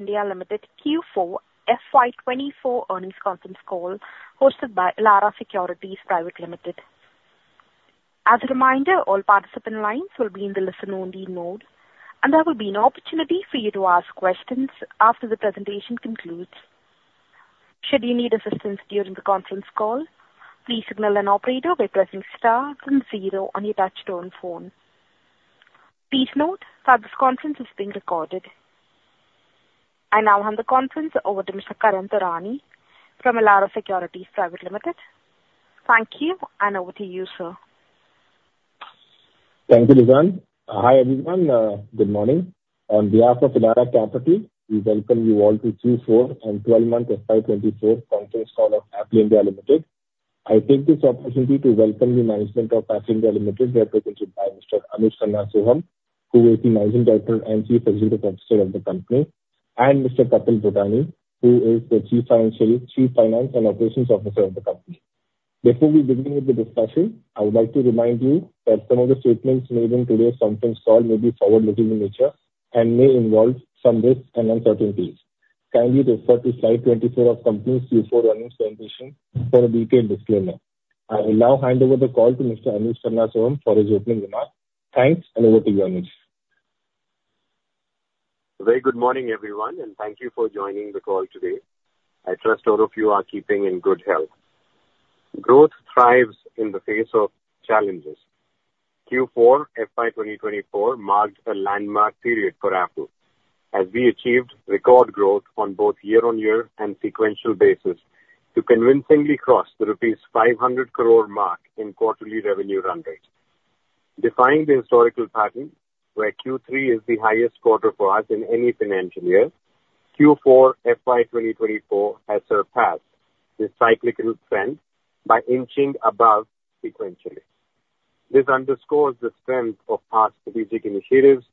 Affle India Limited Q4 FY24 Earnings Conference Call, hosted by Elara Securities Private Limited. As a reminder, all participant lines will be in the listen-only mode, and there will be an opportunity for you to ask questions after the presentation concludes. Should you need assistance during the conference call, please signal an operator by pressing star then zero on your touchtone phone. Please note that this conference is being recorded. I now hand the conference over to Mr. Karan Taurani from Elara Securities Private Limited. Thank you, and over to you, sir. Thank you, Lizann. Hi, everyone. Good morning. On behalf of Elara team, we welcome you all to Q4 and 12-month FY 2024 conference call of Affle India Limited. I take this opportunity to welcome the management of Affle India Limited, represented by Mr. Anuj Khanna Sohum, who is the Managing Director and Chief Executive Officer of the company, and Mr. Kapil Bhutani, who is the Chief Financial and Operations Officer of the company. Before we begin with the discussion, I would like to remind you that some of the statements made in today's conference call may be forward-looking in nature and may involve some risks and uncertainties. Kindly refer to slide 24 of company's Q4 earnings presentation for a detailed disclaimer. I will now hand over the call to Mr. Anuj Khanna Sohum for his opening remarks. Thanks, and over to you, Anuj. Very good morning, everyone, and thank you for joining the call today. I trust all of you are keeping in good health. Growth thrives in the face of challenges. Q4 FY 2024 marked a landmark period for Affle, as we achieved record growth on both year-over-year and sequential basis to convincingly cross the rupees 500 crore mark in quarterly revenue run rate. Defining the historical pattern, where Q3 is the highest quarter for us in any financial year, Q4 FY 2024 has surpassed this cyclical trend by inching above sequentially. This underscores the strength of our strategic initiatives,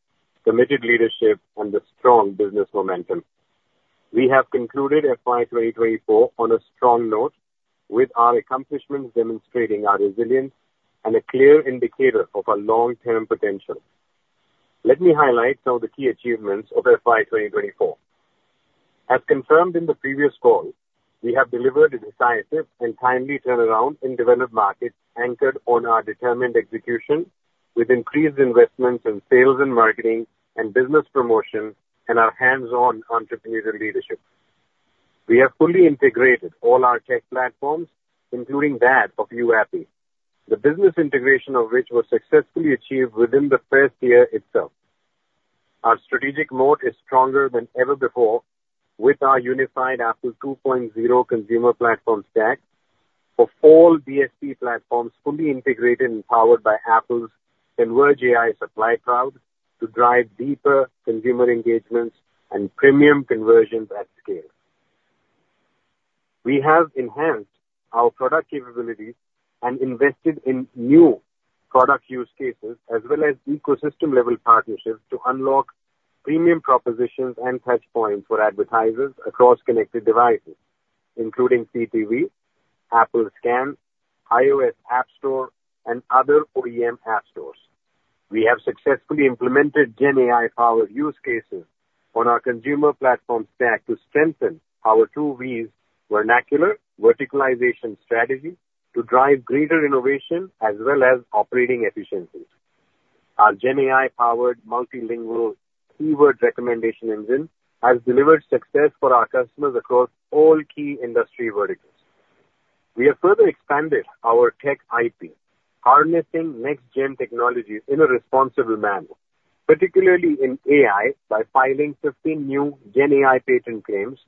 committed leadership, and the strong business momentum. We have concluded FY 2024 on a strong note with our accomplishments demonstrating our resilience and a clear indicator of our long-term potential. Let me highlight some of the key achievements of FY 2024. As confirmed in the previous call, we have delivered a decisive and timely turnaround in developed markets anchored on our determined execution, with increased investments in sales and marketing and business promotion and our hands-on entrepreneurial leadership. We have fully integrated all our tech platforms, including that of YouAppi, the business integration of which was successfully achieved within the first year itself. Our strategic mode is stronger than ever before, with our unified Affle 2.0 Consumer Platform Stack for all DSP platforms, fully integrated and powered by Affle's ConvergeAI Supply Cloud to drive deeper consumer engagements and premium conversions at scale. We have enhanced our product capabilities and invested in new product use cases, as well as ecosystem-level partnerships, to unlock premium propositions and touchpoints for advertisers across connected devices, including CTV, SKAN, iOS App Store, and other OEM app stores. We have successfully implemented GenAI-powered use cases on our consumer platform stack to strengthen our two V's vernacular, verticalization strategy to drive greater innovation as well as operating efficiencies. Our GenAI-powered multilingual keyword recommendation engine has delivered success for our customers across all key industry verticals. We have further expanded our tech IP, harnessing next-gen technologies in a responsible manner, particularly in AI, by filing 15 new GenAI patent claims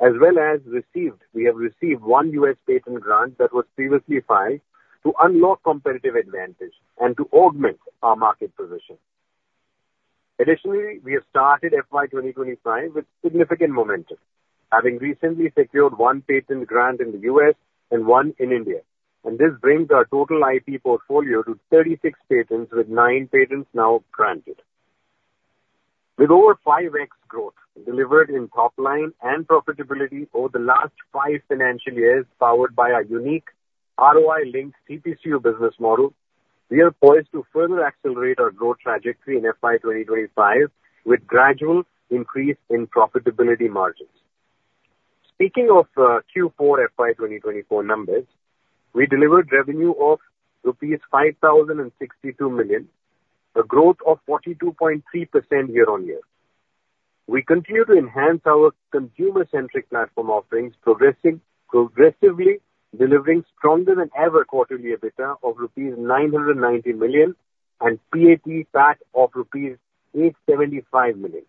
as well as receiving one U.S. patent grant that was previously filed to unlock competitive advantage and to augment our market position. Additionally, we have started FY 2025 with significant momentum, having recently secured one patent grant in the U.S. and one in India, and this brings our total IP portfolio to 36 patents, with nine patents now granted. With over 5x growth delivered in top line and profitability over the last five financial years, powered by our unique ROI-linked CPCU business model, we are poised to further accelerate our growth trajectory in FY 2025 with gradual increase in profitability margins. Speaking of Q4 FY 2024 numbers, we delivered revenue of rupees 5,062 million, a growth of 42.3% year-on-year. We continue to enhance our consumer-centric platform offerings, progressively delivering stronger than ever quarterly EBITDA of rupees 990 million and PAT of rupees 875 million.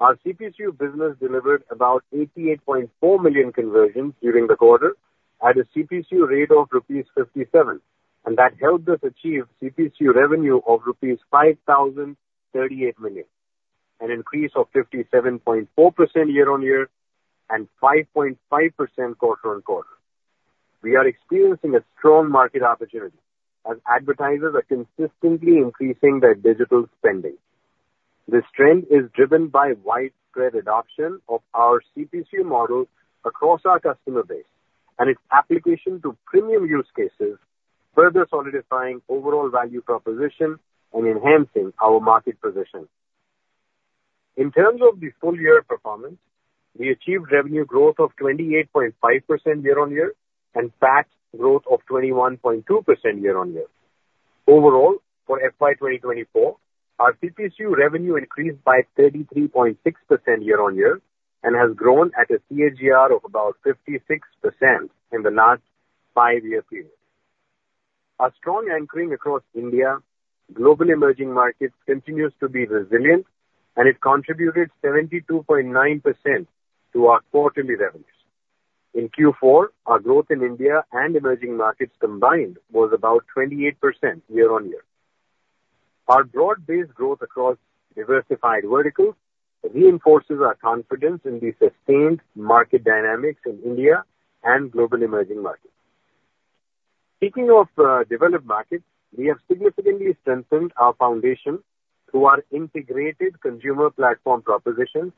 Our CPCU business delivered about 88.4 million conversions during the quarter at a CPCU rate of rupees 57, and that helped us achieve CPCU revenue of rupees 5,038 million, an increase of 57.4% year-on-year and 5.5% quarter-on-quarter. We are experiencing a strong market opportunity as advertisers are consistently increasing their digital spending. This trend is driven by widespread adoption of our CPCU model across our customer base and its application to premium use cases, further solidifying overall value proposition and enhancing our market position. In terms of the full year performance, we achieved revenue growth of 28.5% year-on-year, and PAT growth of 21.2% year-on-year. Overall, for FY 2024, our CPCU revenue increased by 33.6% year-on-year and has grown at a CAGR of about 56% in the last five-year period. Our strong anchoring across India, global emerging markets continues to be resilient, and it contributed 72.9% to our quarterly revenues. In Q4, our growth in India and emerging markets combined was about 28% year-on-year. Our broad-based growth across diversified verticals reinforces our confidence in the sustained market dynamics in India and global emerging markets. Speaking of developed markets, we have significantly strengthened our foundation through our integrated consumer platform propositions,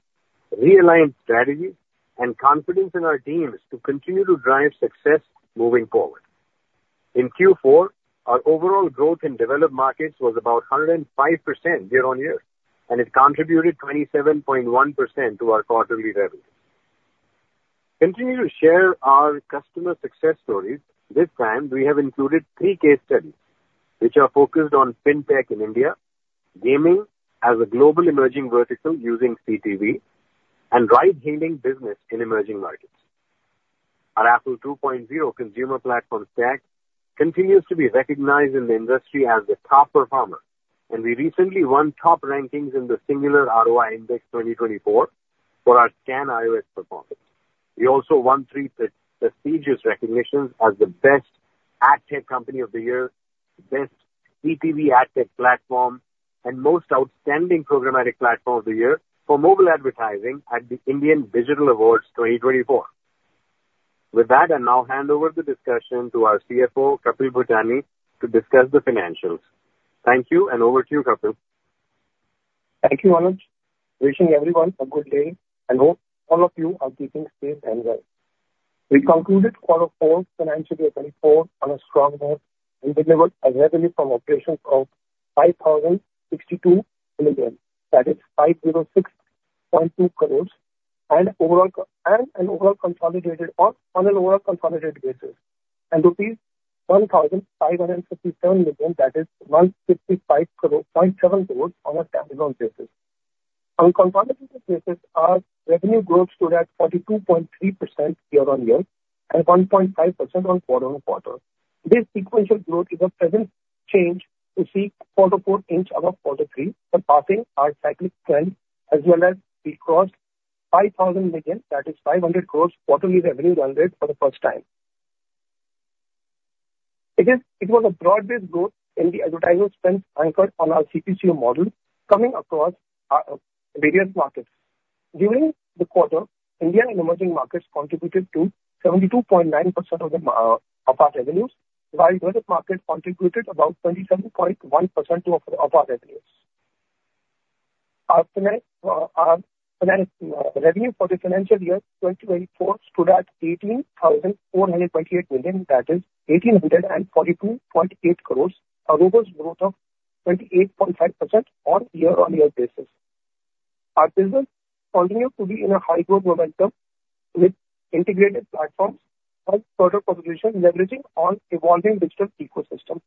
realigned strategies, and confidence in our teams to continue to drive success moving forward. In Q4, our overall growth in developed markets was about 105% year-on-year, and it contributed 27.1% to our quarterly revenue. Continue to share our customer success stories. This time, we have included three case studies, which are focused on Fintech in India, gaming as a global emerging vertical using CTV, and ride-hailing business in emerging markets. Our Affle2.0 Consumer Platform Stack continues to be recognized in the industry as a top performer, and we recently won top rankings in the Singular ROI Index 2024 for our SKAN iOS performance. We also won three prestigious recognitions as the Best Ad Tech Company of the Year, Best CTV Ad Tech Platform, and Most Outstanding Programmatic Platform of the Year for mobile advertising at the Indian Digital Awards 2024. With that, I now hand over the discussion to our CFO, Kapil Bhutani, to discuss the financials. Thank you, and over to you, Kapil. Thank you, Anuj. Wishing everyone a good day and hope all of you are keeping safe and well. We concluded quarter four of 2024 on a strong note and delivered a revenue from operations of 5,062 million. That is 506.2 crores overall. On an overall consolidated basis, rupees 1,557 million, that is 155.7 crores on a year-on-year basis. On a consolidated basis, our revenue growth stood at 42.3% year-on-year and 1.5% quarter-on-quarter. This sequential growth is a pleasant change to see quarter four an inch above quarter three, surpassing our cyclic trend as well as we crossed 5,000 million, that is 500 crores quarterly revenue run rate for the first time. It is, it was a broad-based growth in the advertising spend anchored on our CPCU model coming across, various markets. During the quarter, India and emerging markets contributed to 72.9% of the, of our revenues, while developed markets contributed about 27.1% to, of our revenues. Our finance, our finance, revenue for the financial year 2024 stood at 18,448 million, that is 1,842.8 crore, a robust growth of 28.5% on year-on-year basis. Our business continued to be in a high growth momentum with integrated platforms and product population, leveraging on evolving digital ecosystem.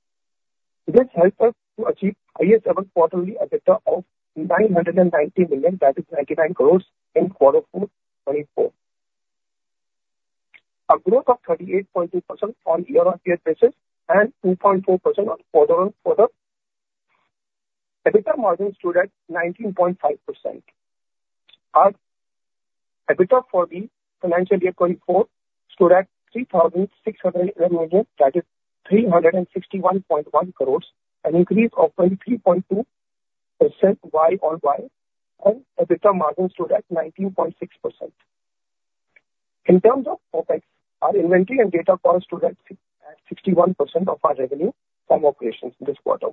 This helped us to achieve highest ever quarterly EBITDA of 990 million, that is 99 crore, in quarter 4 2024. A growth of 38.2% on year-on-year basis and 2.4% on quarter-on-quarter. EBITDA margin stood at 19.5%. Our EBITDA for the financial year 2024 stood at 3,600 million, that is 361.1 crores, an increase of 23.2% Y-on-Y, and EBITDA margin stood at 19.6%. In terms of OpEx, our inventory and data costs stood at 61% of our revenue from operations this quarter,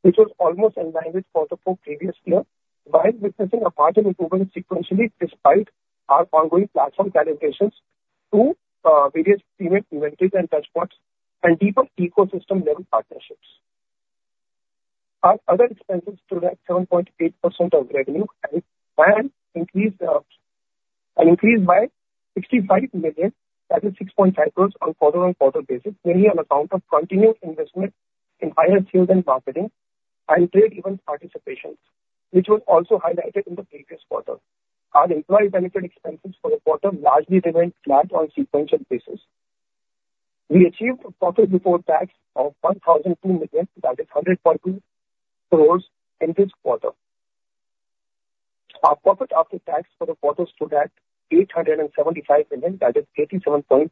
which was almost in line with quarter four previous year, while witnessing a margin improvement sequentially despite our ongoing platform validations to various premium inventories and touchpoints and deeper ecosystem-level partnerships. Our other expenses stood at 7.8% of revenue and, and increased an increase by 65 million, that is 6.5 crores, on quarter-over-quarter basis, mainly on account of continued investment in higher sales and marketing and trade event participations, which was also highlighted in the previous quarter. Our employee benefit expenses for the quarter largely remained flat on sequential basis. We achieved a profit before tax of 1,002 million, that is 100.2 crores, in this quarter. Our profit after tax for the quarter stood at 875 million, that is 87.5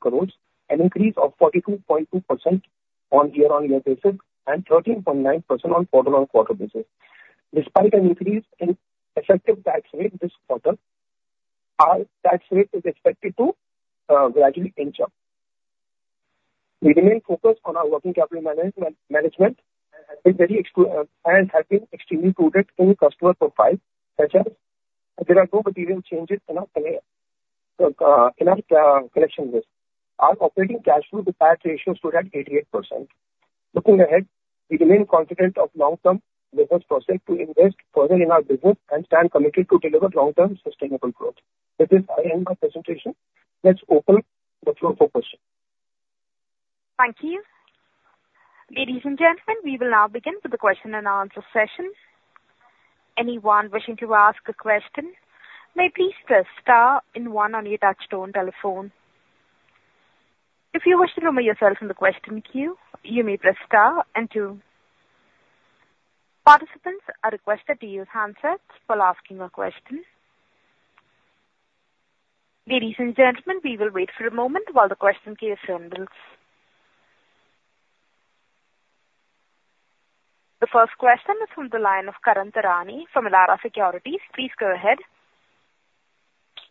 crores, an increase of 42.2% on year-over-year basis and 13.9% on quarter-over-quarter basis. Despite an increase in effective tax rate this quarter, our tax rate is expected to gradually inch up. We remain focused on our working capital management and have been very exclusive, and have been extremely prudent in customer profile as there are no material changes in our plan.... So, in our collection risk, our operating cash flow to PAT ratio stood at 88%. Looking ahead, we remain confident of long-term business process to invest further in our business and stand committed to deliver long-term sustainable growth. With this, I end my presentation. Let's open the floor for questions. Thank you. Ladies and gentlemen, we will now begin with the question and answer session. Anyone wishing to ask a question may please press star and one on your touchtone telephone. If you wish to remove yourself from the question queue, you may press star and two. Participants are requested to use handsets while asking a question. Ladies and gentlemen, we will wait for a moment while the question queue assembles. The first question is from the line of Karan Taurani from Elara Securities. Please go ahead.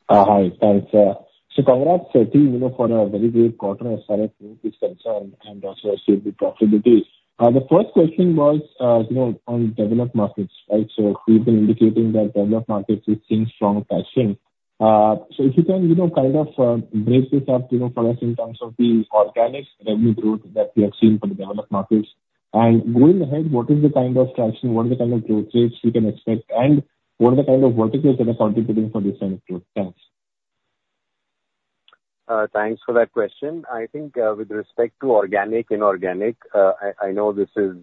Hi. Thanks. So congrats, you know, for a very great quarter as far as growth is concerned and also as to the profitability. The first question was, you know, on developed markets, right? So you've been indicating that developed markets have seen strong traction. So if you can, you know, kind of, break this up, you know, for us in terms of the organic revenue growth that we have seen for the developed markets. And going ahead, what is the kind of traction, what is the kind of growth rates we can expect, and what are the kind of verticals that are contributing for this kind of growth? Thanks. Thanks for that question. I think, with respect to organic, inorganic, I, I know this is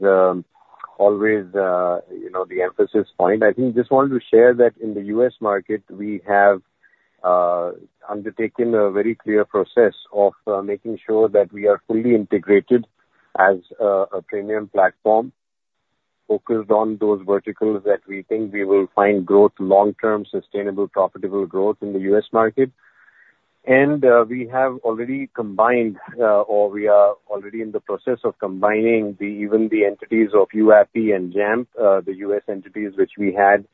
always, you know, the emphasis point. I think just wanted to share that in the U.S. market, we have undertaken a very clear process of making sure that we are fully integrated as a premium platform, focused on those verticals that we think we will find growth, long-term, sustainable, profitable growth in the U.S. market. And we have already combined, or we are already in the process of combining the, even the entities of YouAppi and Jampp, the U.S. entities which we had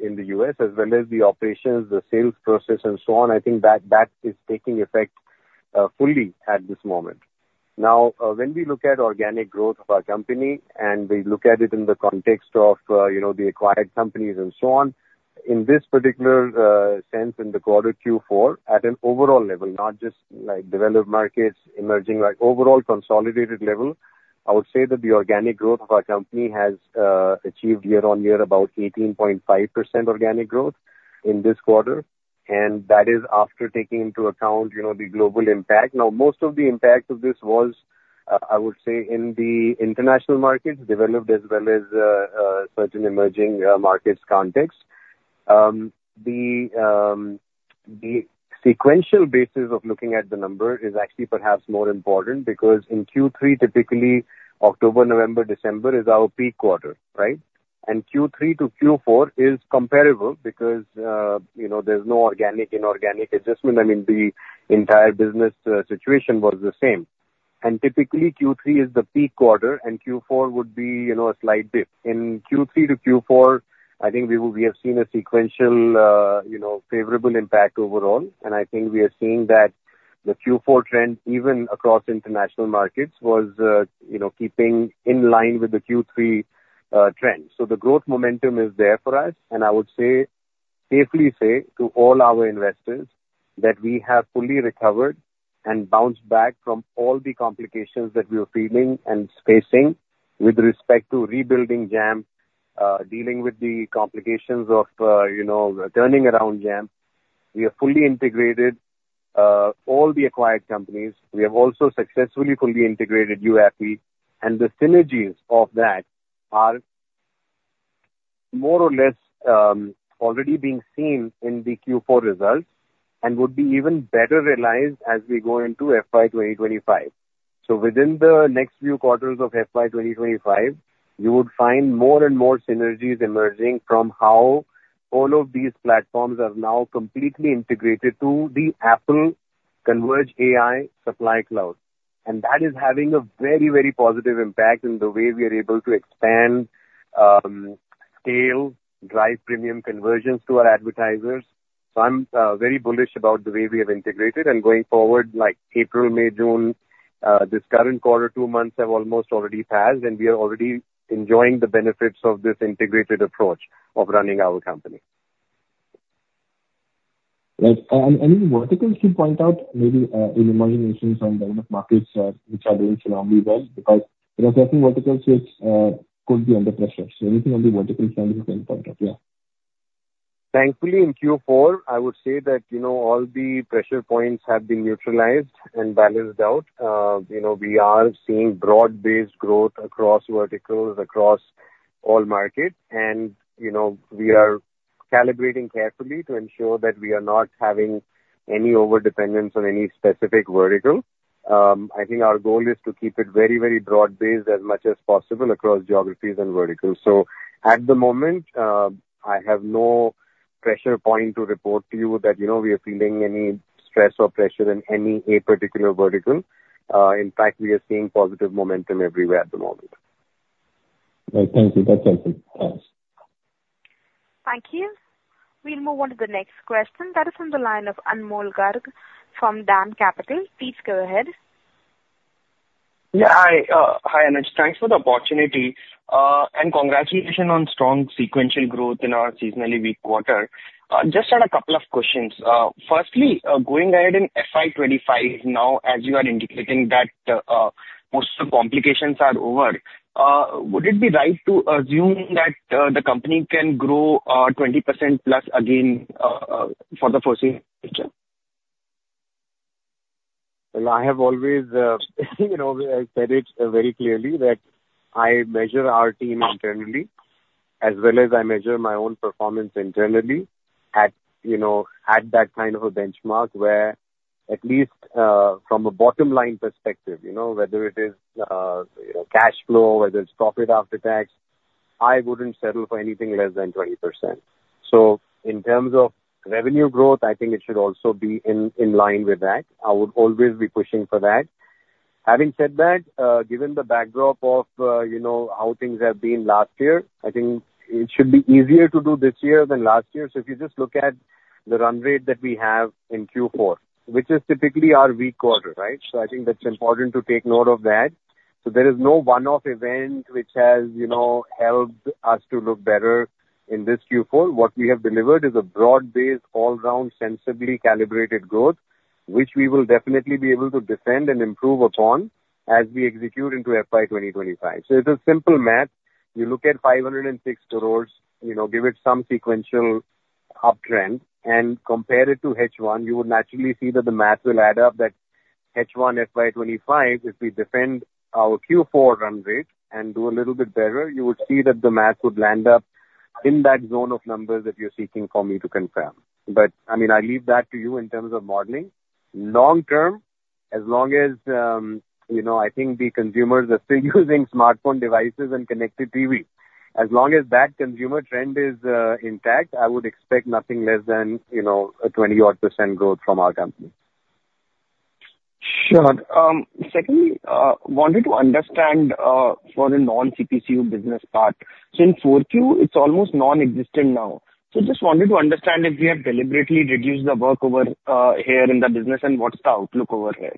in the U.S., as well as the operations, the sales process and so on. I think that, that is taking effect fully at this moment. Now, when we look at organic growth of our company, and we look at it in the context of, you know, the acquired companies and so on, in this particular sense in the quarter Q4, at an overall level, not just like developed markets emerging, like overall consolidated level, I would say that the organic growth of our company has achieved year-on-year about 18.5% organic growth in this quarter, and that is after taking into account, you know, the global impact. Now, most of the impact of this was, I would say in the international markets, developed as well as certain emerging markets context. The sequential basis of looking at the number is actually perhaps more important, because in Q3, typically October, November, December is our peak quarter, right? Q3 to Q4 is comparable because, you know, there's no organic, inorganic adjustment. I mean, the entire business situation was the same. Typically, Q3 is the peak quarter, and Q4 would be, you know, a slight dip. In Q3 to Q4, I think we have seen a sequential, you know, favorable impact overall, and I think we are seeing that the Q4 trend, even across international markets, was, you know, keeping in line with the Q3 trends. So the growth momentum is there for us, and I would safely say to all our investors that we have fully recovered and bounced back from all the complications that we were feeling and facing with respect to rebuilding Jampp, dealing with the complications of, you know, turning around Jampp. We have fully integrated all the acquired companies. We have also successfully fully integrated YouAppi, and the synergies of that are more or less already being seen in the Q4 results and would be even better realized as we go into FY 2025. So within the next few quarters of FY 2025, you would find more and more synergies emerging from how all of these platforms are now completely integrated to the Affle ConvergeAI supply cloud. And that is having a very, very positive impact in the way we are able to expand scale, drive premium conversions to our advertisers. So I'm very bullish about the way we have integrated, and going forward, like April, May, June this current quarter, 2 months have almost already passed, and we are already enjoying the benefits of this integrated approach of running our company. Right. Any verticals you point out, maybe, in emerging nations and developed markets, which are doing extremely well? Because there are certain verticals which could be under pressure. Anything on the vertical standing standpoint, yeah. Thankfully, in Q4, I would say that, you know, all the pressure points have been neutralized and balanced out. You know, we are seeing broad-based growth across verticals, across all markets, and, you know, we are calibrating carefully to ensure that we are not having any overdependence on any specific vertical. I think our goal is to keep it very, very broad-based as much as possible across geographies and verticals. So at the moment, I have no pressure point to report to you that, you know, we are feeling any stress or pressure in any particular vertical. In fact, we are seeing positive momentum everywhere at the moment. Right. Thank you. That's helpful. Thanks. Thank you. We'll move on to the next question. That is from the line of Anmol Garg from DAM Capital. Please go ahead. Yeah, hi, hi, Anuj. Thanks for the opportunity, and congratulations on strong sequential growth in our seasonally weak quarter. Just had a couple of questions. Firstly, going ahead in FY 2025, now, as you are indicating that most of the complications are over, would it be right to assume that the company can grow 20% plus again for the foreseeable future? Well, I have always, you know, I said it very clearly that I measure our team internally, as well as I measure my own performance internally at, you know, at that kind of a benchmark, where at least, from a bottom line perspective, you know, whether it is, you know, cash flow, whether it's profit after tax, I wouldn't settle for anything less than 20%. So in terms of revenue growth, I think it should also be in, in line with that. I would always be pushing for that. Having said that, given the backdrop of, you know, how things have been last year, I think it should be easier to do this year than last year. So if you just look at the run rate that we have in Q4, which is typically our weak quarter, right? So I think that's important to take note of that. So there is no one-off event which has, you know, helped us to look better in this Q4. What we have delivered is a broad-based, all-round, sensibly calibrated growth, which we will definitely be able to defend and improve upon as we execute into FY 2025. So it's a simple math. You look at 506 crore, you know, give it some sequential uptrend and compare it to H1, you would naturally see that the math will add up. That H1 FY 2025, if we defend our Q4 run rate and do a little bit better, you would see that the math would land up in that zone of numbers that you're seeking for me to confirm. But, I mean, I leave that to you in terms of modeling. Long term, as long as, you know, I think the consumers are still using smartphone devices and connected TV, as long as that consumer trend is intact, I would expect nothing less than, you know, a 20%+ growth from our company. Sure. Secondly, wanted to understand for a non-CPCU business part, so in 4Q, it's almost non-existent now. So just wanted to understand if we have deliberately reduced the work over here in the business and what's the outlook over here?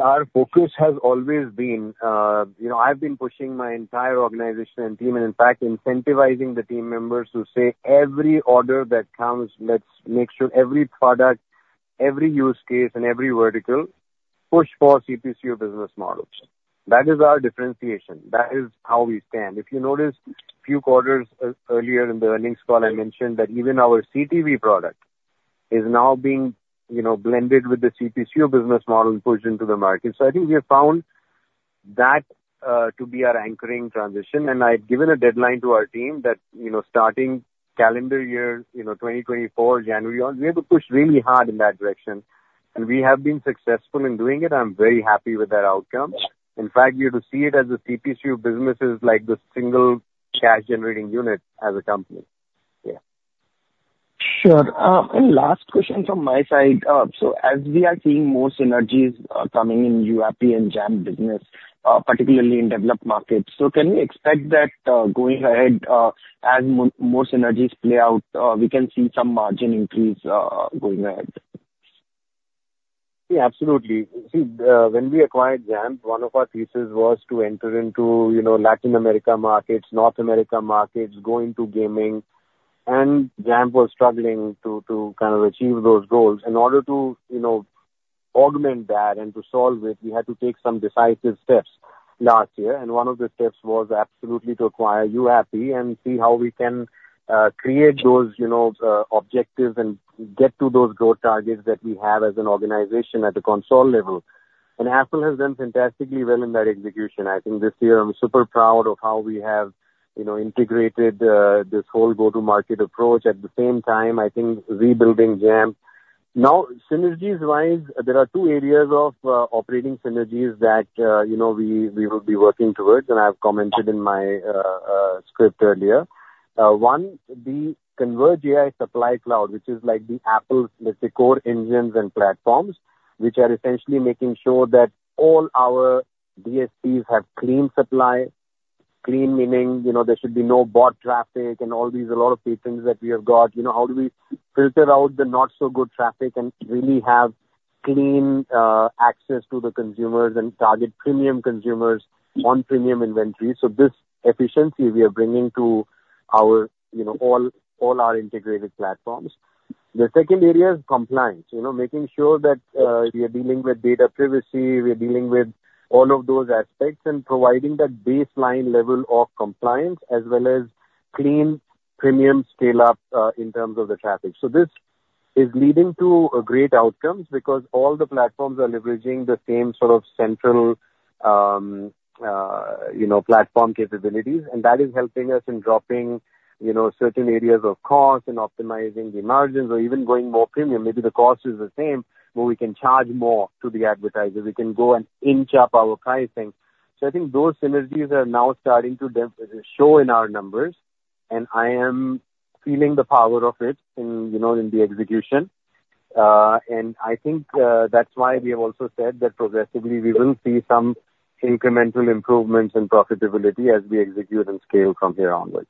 Our focus has always been, you know, I've been pushing my entire organization and team, and in fact, incentivizing the team members to say, every order that comes, let's make sure every product, every use case, and every vertical, push for CPCU business models. That is our differentiation. That is how we stand. If you notice, a few quarters earlier in the earnings call, I mentioned that even our CTV product is now being, you know, blended with the CPCU business model pushed into the market. So I think we have found that to be our anchoring transition, and I've given a deadline to our team that, you know, starting calendar year 2024, January on, we have to push really hard in that direction, and we have been successful in doing it. I'm very happy with that outcome. In fact, you have to see it as a CPCU business is like the single cash-generating unit as a company. Yeah. Sure. Last question from my side. So as we are seeing more synergies coming in YouAppi and Jampp business, particularly in developed markets, so can we expect that going ahead, as more synergies play out, we can see some margin increase going ahead? Yeah, absolutely. See, when we acquired Jampp, one of our thesis was to enter into, you know, Latin America markets, North America markets, go into gaming, and Jampp was struggling to, to kind of achieve those goals. In order to, you know, augment that and to solve it, we had to take some decisive steps last year, and one of the steps was absolutely to acquire YouAppi and see how we can, create those, you know, objectives and get to those growth targets that we have as an organization at the console level. And Affle has done fantastically well in that execution. I think this year I'm super proud of how we have, you know, integrated, this whole go-to-market approach. At the same time, I think rebuilding Jampp. Now, synergies-wise, there are two areas of operating synergies that, you know, we will be working towards, and I have commented in my script earlier. One, the ConvergeAI supply cloud, which is like the Affle, let's say, core engines and platforms, which are essentially making sure that all our DSPs have clean supply. Clean meaning, you know, there should be no bot traffic and all these, a lot of patterns that we have got. You know, how do we filter out the not so good traffic and really have clean access to the consumers and target premium consumers on premium inventory? So this efficiency we are bringing to our, you know, all our integrated platforms. The second area is compliance. You know, making sure that we are dealing with data privacy, we are dealing with all of those aspects, and providing that baseline level of compliance as well as clean premium scale-up in terms of the traffic. So this is leading to great outcomes because all the platforms are leveraging the same sort of central you know platform capabilities, and that is helping us in dropping you know certain areas of cost and optimizing the margins or even going more premium. Maybe the cost is the same, but we can charge more to the advertisers. We can go and inch up our pricing. So I think those synergies are now starting to show in our numbers, and I am feeling the power of it in you know in the execution. I think, that's why we have also said that progressively we will see some incremental improvements in profitability as we execute and scale from here onwards....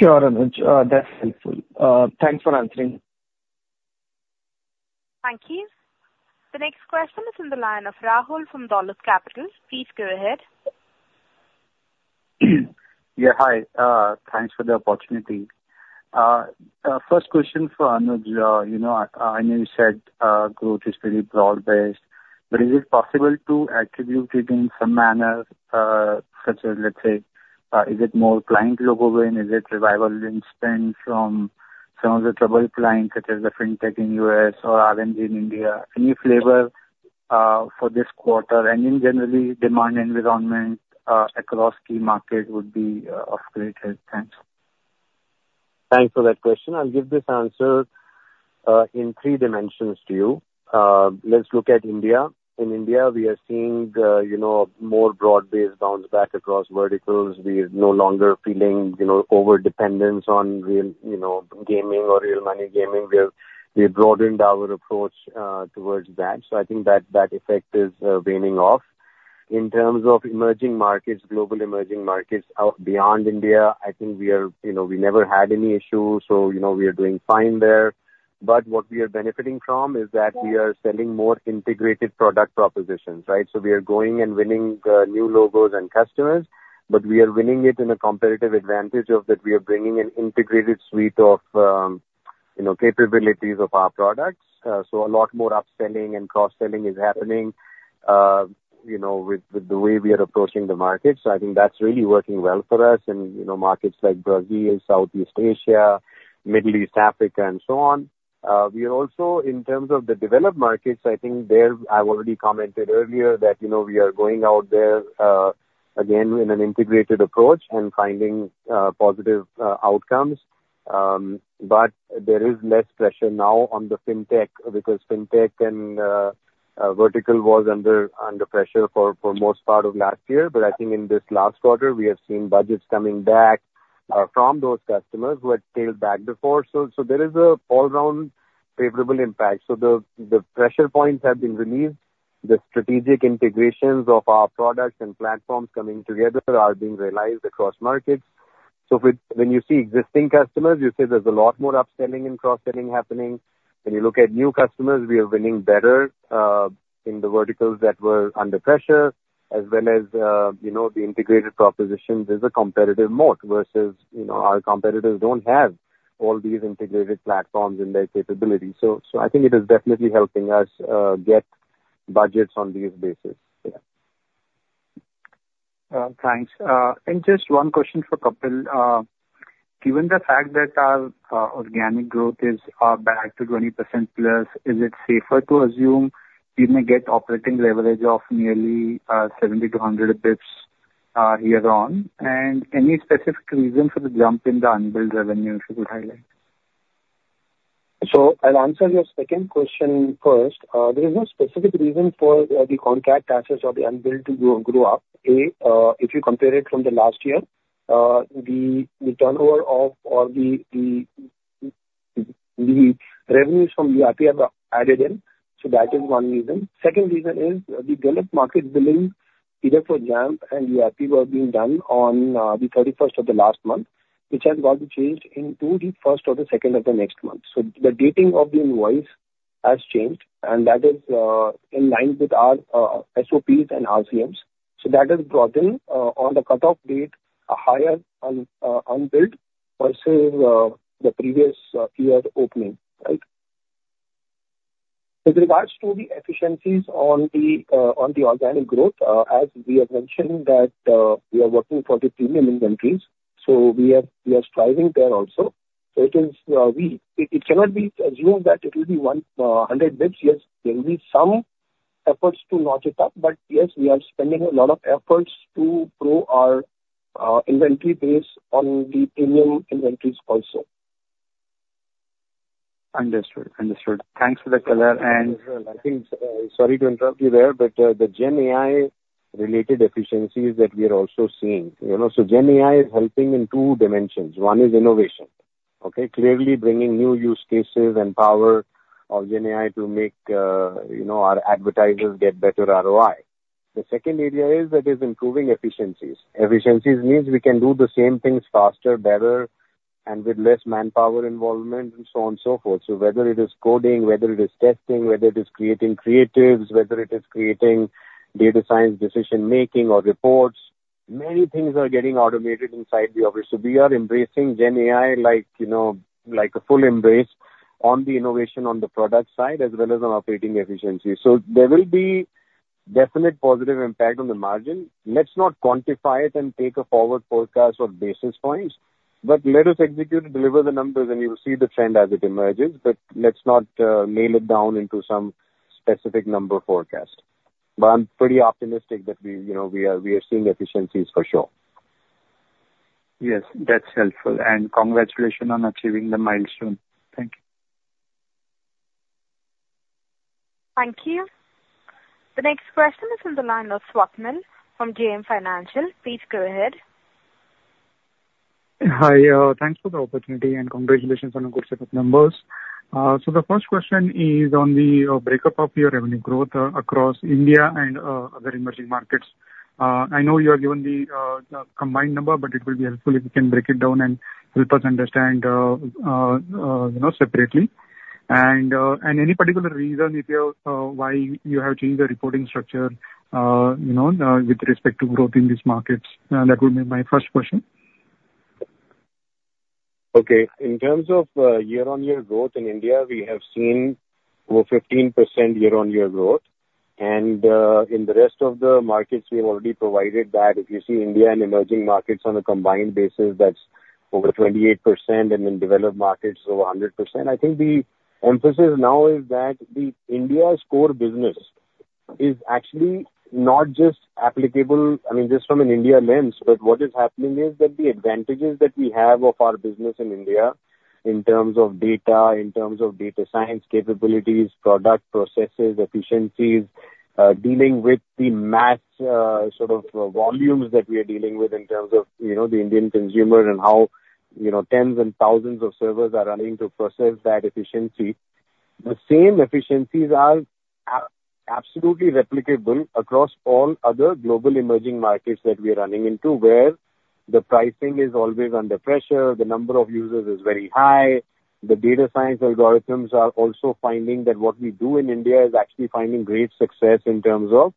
Sure, Anuj, that's helpful. Thanks for answering. Thank you. The next question is on the line of Rahul from Dolat Capital. Please go ahead. Yeah, hi. Thanks for the opportunity. First question for Anuj. You know, I know you said growth is very broad-based, but is it possible to attribute it in some manner, such as, let's say, is it more client logo win? Is it revival in spend from some of the troubled clients, such as the fintech in U.S. or RNG in India? Any flavor for this quarter, and in generally demand environment across key market would be of great help. Thanks. Thanks for that question. I'll give this answer in three dimensions to you. Let's look at India. In India, we are seeing the, you know, more broad-based bounce back across verticals. We are no longer feeling, you know, overdependence on real, you know, gaming or real money gaming. We have, we've broadened our approach towards that, so I think that, that effect is waning off. In terms of emerging markets, global emerging markets out beyond India, I think we are... You know, we never had any issues, so, you know, we are doing fine there. But what we are benefiting from is that we are selling more integrated product propositions, right? So we are going and winning new logos and customers, but we are winning it in a competitive advantage of that we are bringing an integrated suite of, you know, capabilities of our products. So a lot more upselling and cross-selling is happening, you know, with, with the way we are approaching the market. So I think that's really working well for us in, you know, markets like Brazil, Southeast Asia, Middle East, Africa, and so on. We are also, in terms of the developed markets, I think there, I've already commented earlier that, you know, we are going out there, again, in an integrated approach and finding positive outcomes. But there is less pressure now on the fintech, because fintech and vertical was under pressure for most part of last year. But I think in this last quarter, we have seen budgets coming back from those customers who had scaled back before. So there is an all-round favorable impact. So the pressure points have been relieved. The strategic integrations of our products and platforms coming together are being realized across markets. So when you see existing customers, you say there's a lot more upselling and cross-selling happening. When you look at new customers, we are winning better in the verticals that were under pressure, as well as, you know, the integrated propositions is a competitive mode versus, you know, our competitors don't have all these integrated platforms in their capabilities. So I think it is definitely helping us get budgets on these basis. Yeah. Thanks. And just one question for Kapil. Given the fact that our organic growth is back to 20%+, is it safer to assume we may get operating leverage of nearly 70-100 basis points year on? And any specific reason for the jump in the unbilled revenue you could highlight? So I'll answer your second question first. There is no specific reason for the contract assets or the unbilled to grow up. If you compare it from the last year, the turnover or the revenues from UAP have added in, so that is one reason. Second reason is, the developed markets billing, either for Jampp and UAP, were being done on the thirty-first of the last month, which has now been changed into the first or the second of the next month. So the dating of the invoice has changed, and that is in line with our SOPs and RCMs. So that has brought in, on the cutoff date, a higher unbilled versus the previous year opening, right? With regards to the efficiencies on the organic growth, as we have mentioned, that we are working for the premium inventories, so we are striving there also. So it is, it cannot be assumed that it will be 100 basis points. Yes, there will be some efforts to notch it up, but yes, we are spending a lot of efforts to grow our inventory base on the premium inventories also. Understood. Understood. Thanks for the color, and- I think, sorry to interrupt you there, but, the GenAI-related efficiencies that we are also seeing. You know, so GenAI is helping in two dimensions. One is innovation, okay? Clearly bringing new use cases and power of GenAI to make, you know, our advertisers get better ROI. The second area is that it's improving efficiencies. Efficiencies means we can do the same things faster, better, and with less manpower involvement, and so on and so forth. So whether it is coding, whether it is testing, whether it is creating creatives, whether it is creating data science, decision making or reports, many things are getting automated inside the office. So we are embracing GenAI like, you know, like a full embrace on the innovation on the product side, as well as on operating efficiency. So there will be definite positive impact on the margin. Let's not quantify it and take a forward forecast or basis points, but let us execute and deliver the numbers, and you'll see the trend as it emerges. But let's not nail it down into some specific number forecast. But I'm pretty optimistic that we, you know, we are, we are seeing efficiencies for sure. Yes, that's helpful. Congratulations on achieving the milestone. Thank you. Thank you. The next question is on the line of Swapnil from JM Financial. Please go ahead. Hi, thanks for the opportunity, and congratulations on a good set of numbers. So the first question is on the breakup of your revenue growth across India and other emerging markets. I know you have given the combined number, but it will be helpful if you can break it down and help us understand you know, separately. Any particular reason why you have changed the reporting structure you know, with respect to growth in these markets? That would be my first question. Okay. In terms of year-on-year growth in India, we have seen over 15% year-on-year growth. And in the rest of the markets, we have already provided that. If you see India and emerging markets on a combined basis, that's over 28%, and in developed markets, over 100%. I think the emphasis now is that the India's core business is actually not just applicable, I mean, just from an India lens, but what is happening is that the advantages that we have of our business in India in terms of data, in terms of data science capabilities, product, processes, efficiencies, dealing with the mass sort of volumes that we are dealing with in terms of, you know, the Indian consumer and how, you know, tens and thousands of servers are running to process that efficiency. The same efficiencies are absolutely replicable across all other global emerging markets that we are running into, where the pricing is always under pressure, the number of users is very high. The data science algorithms are also finding that what we do in India is actually finding great success in terms of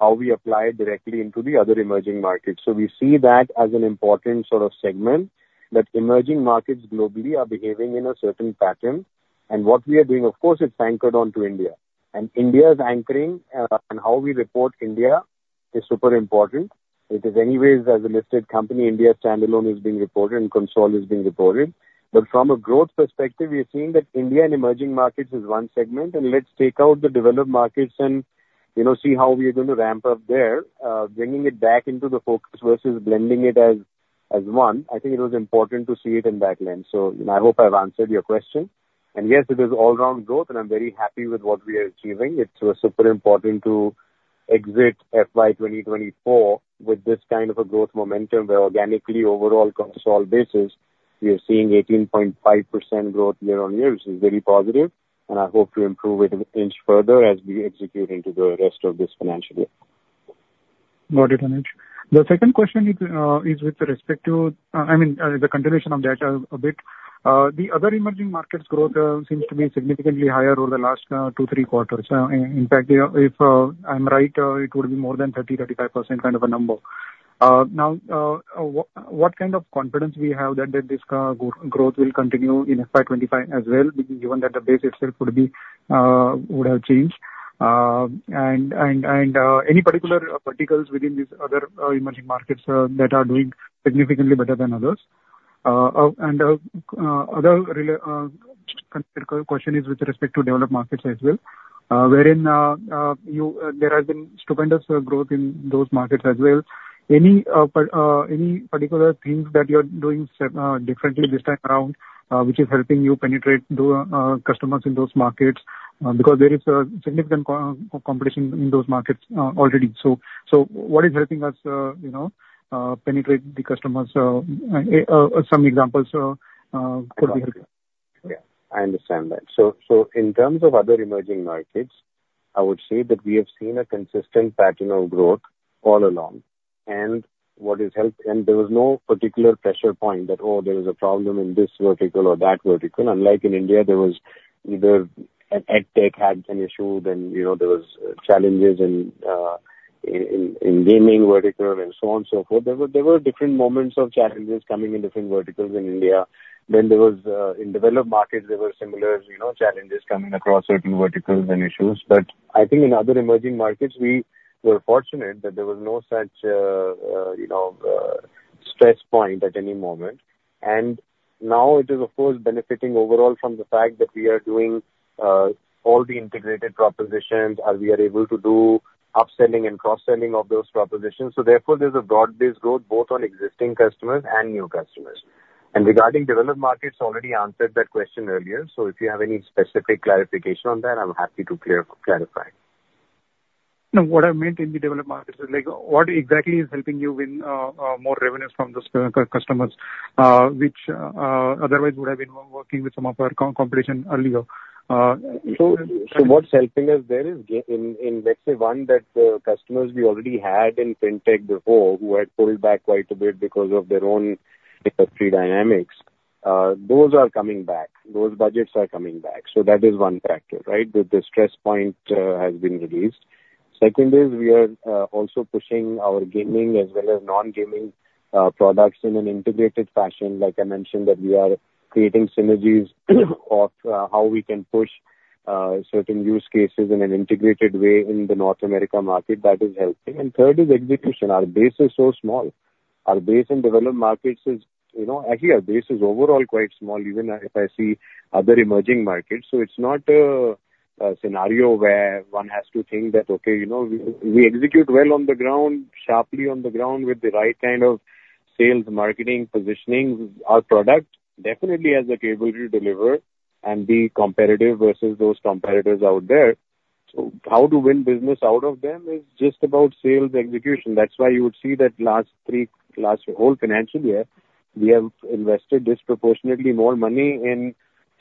how we apply it directly into the other emerging markets. So we see that as an important sort of segment, that emerging markets globally are behaving in a certain pattern. And what we are doing, of course, it's anchored on to India. And India's anchoring, and how we report India is super important. It is anyways, as a listed company, India standalone is being reported and consolidated is being reported. But from a growth perspective, we are seeing that India and emerging markets is one segment, and let's take out the developed markets and, you know, see how we are going to ramp up there, bringing it back into the focus versus blending it as, as one. I think it was important to see it in that lens. So I hope I've answered your question. And yes, it is all around growth, and I'm very happy with what we are achieving. It was super important to exit FY 2024 with this kind of a growth momentum, where organically, overall constant basis, we are seeing 18.5% growth year-on-year, which is very positive, and I hope to improve it an inch further as we execute into the rest of this financial year. Got it, Anuj. The second question is with respect to, I mean, the continuation of that a bit. The other emerging markets growth seems to be significantly higher over the last 2-3 quarters. In fact, if I'm right, it would be more than 30%-35% kind of a number. Now, what kind of confidence we have that this growth will continue in FY 2025 as well, given that the base itself would be, would have changed? And any particular verticals within these other emerging markets that are doing significantly better than others? Other question is with respect to Developed Markets as well, wherein there has been stupendous growth in those markets as well. Any particular things that you're doing differently this time around, which is helping you penetrate the customers in those markets? Because there is a significant competition in those markets already. So what is helping us, you know, penetrate the customers? Some examples could be- Yeah, I understand that. So, so in terms of other emerging markets, I would say that we have seen a consistent pattern of growth all along. And what is helped... And there was no particular pressure point that, oh, there is a problem in this vertical or that vertical. Unlike in India, there was either an edTech had an issue, then, you know, there was challenges in gaming vertical and so on and so forth. There were different moments of challenges coming in different verticals in India. Then there was in developed markets, there were similar, you know, challenges coming across certain verticals and issues. But I think in other emerging markets, we were fortunate that there was no such, you know, stress point at any moment. And now it is, of course, benefiting overall from the fact that we are doing all the integrated propositions, and we are able to do upselling and cross-selling of those propositions. So therefore, there's a broad-based growth, both on existing customers and new customers. And regarding developed markets, already answered that question earlier. So if you have any specific clarification on that, I'm happy to clarify. No, what I meant in the developed markets is like, what exactly is helping you win more revenues from those customers, which otherwise would have been working with some of our competition earlier? So what's helping us there is, in one, that customers we already had in fintech before, who had pulled back quite a bit because of their own industry dynamics, those are coming back. Those budgets are coming back. So that is one factor, right? That the stress point has been reduced. Second is we are also pushing our gaming as well as non-gaming products in an integrated fashion. Like I mentioned, that we are creating synergies of how we can push certain use cases in an integrated way in the North America market. That is helping. And third is execution. Our base is so small. Our base in developed markets is, you know... Actually, our base is overall quite small, even if I see other emerging markets. So it's not a scenario where one has to think that, okay, you know, we execute well on the ground, sharply on the ground, with the right kind of sales, marketing, positioning. Our product definitely has the ability to deliver and be competitive versus those competitors out there. So how to win business out of them is just about sales execution. That's why you would see that last three, last whole financial year, we have invested disproportionately more money in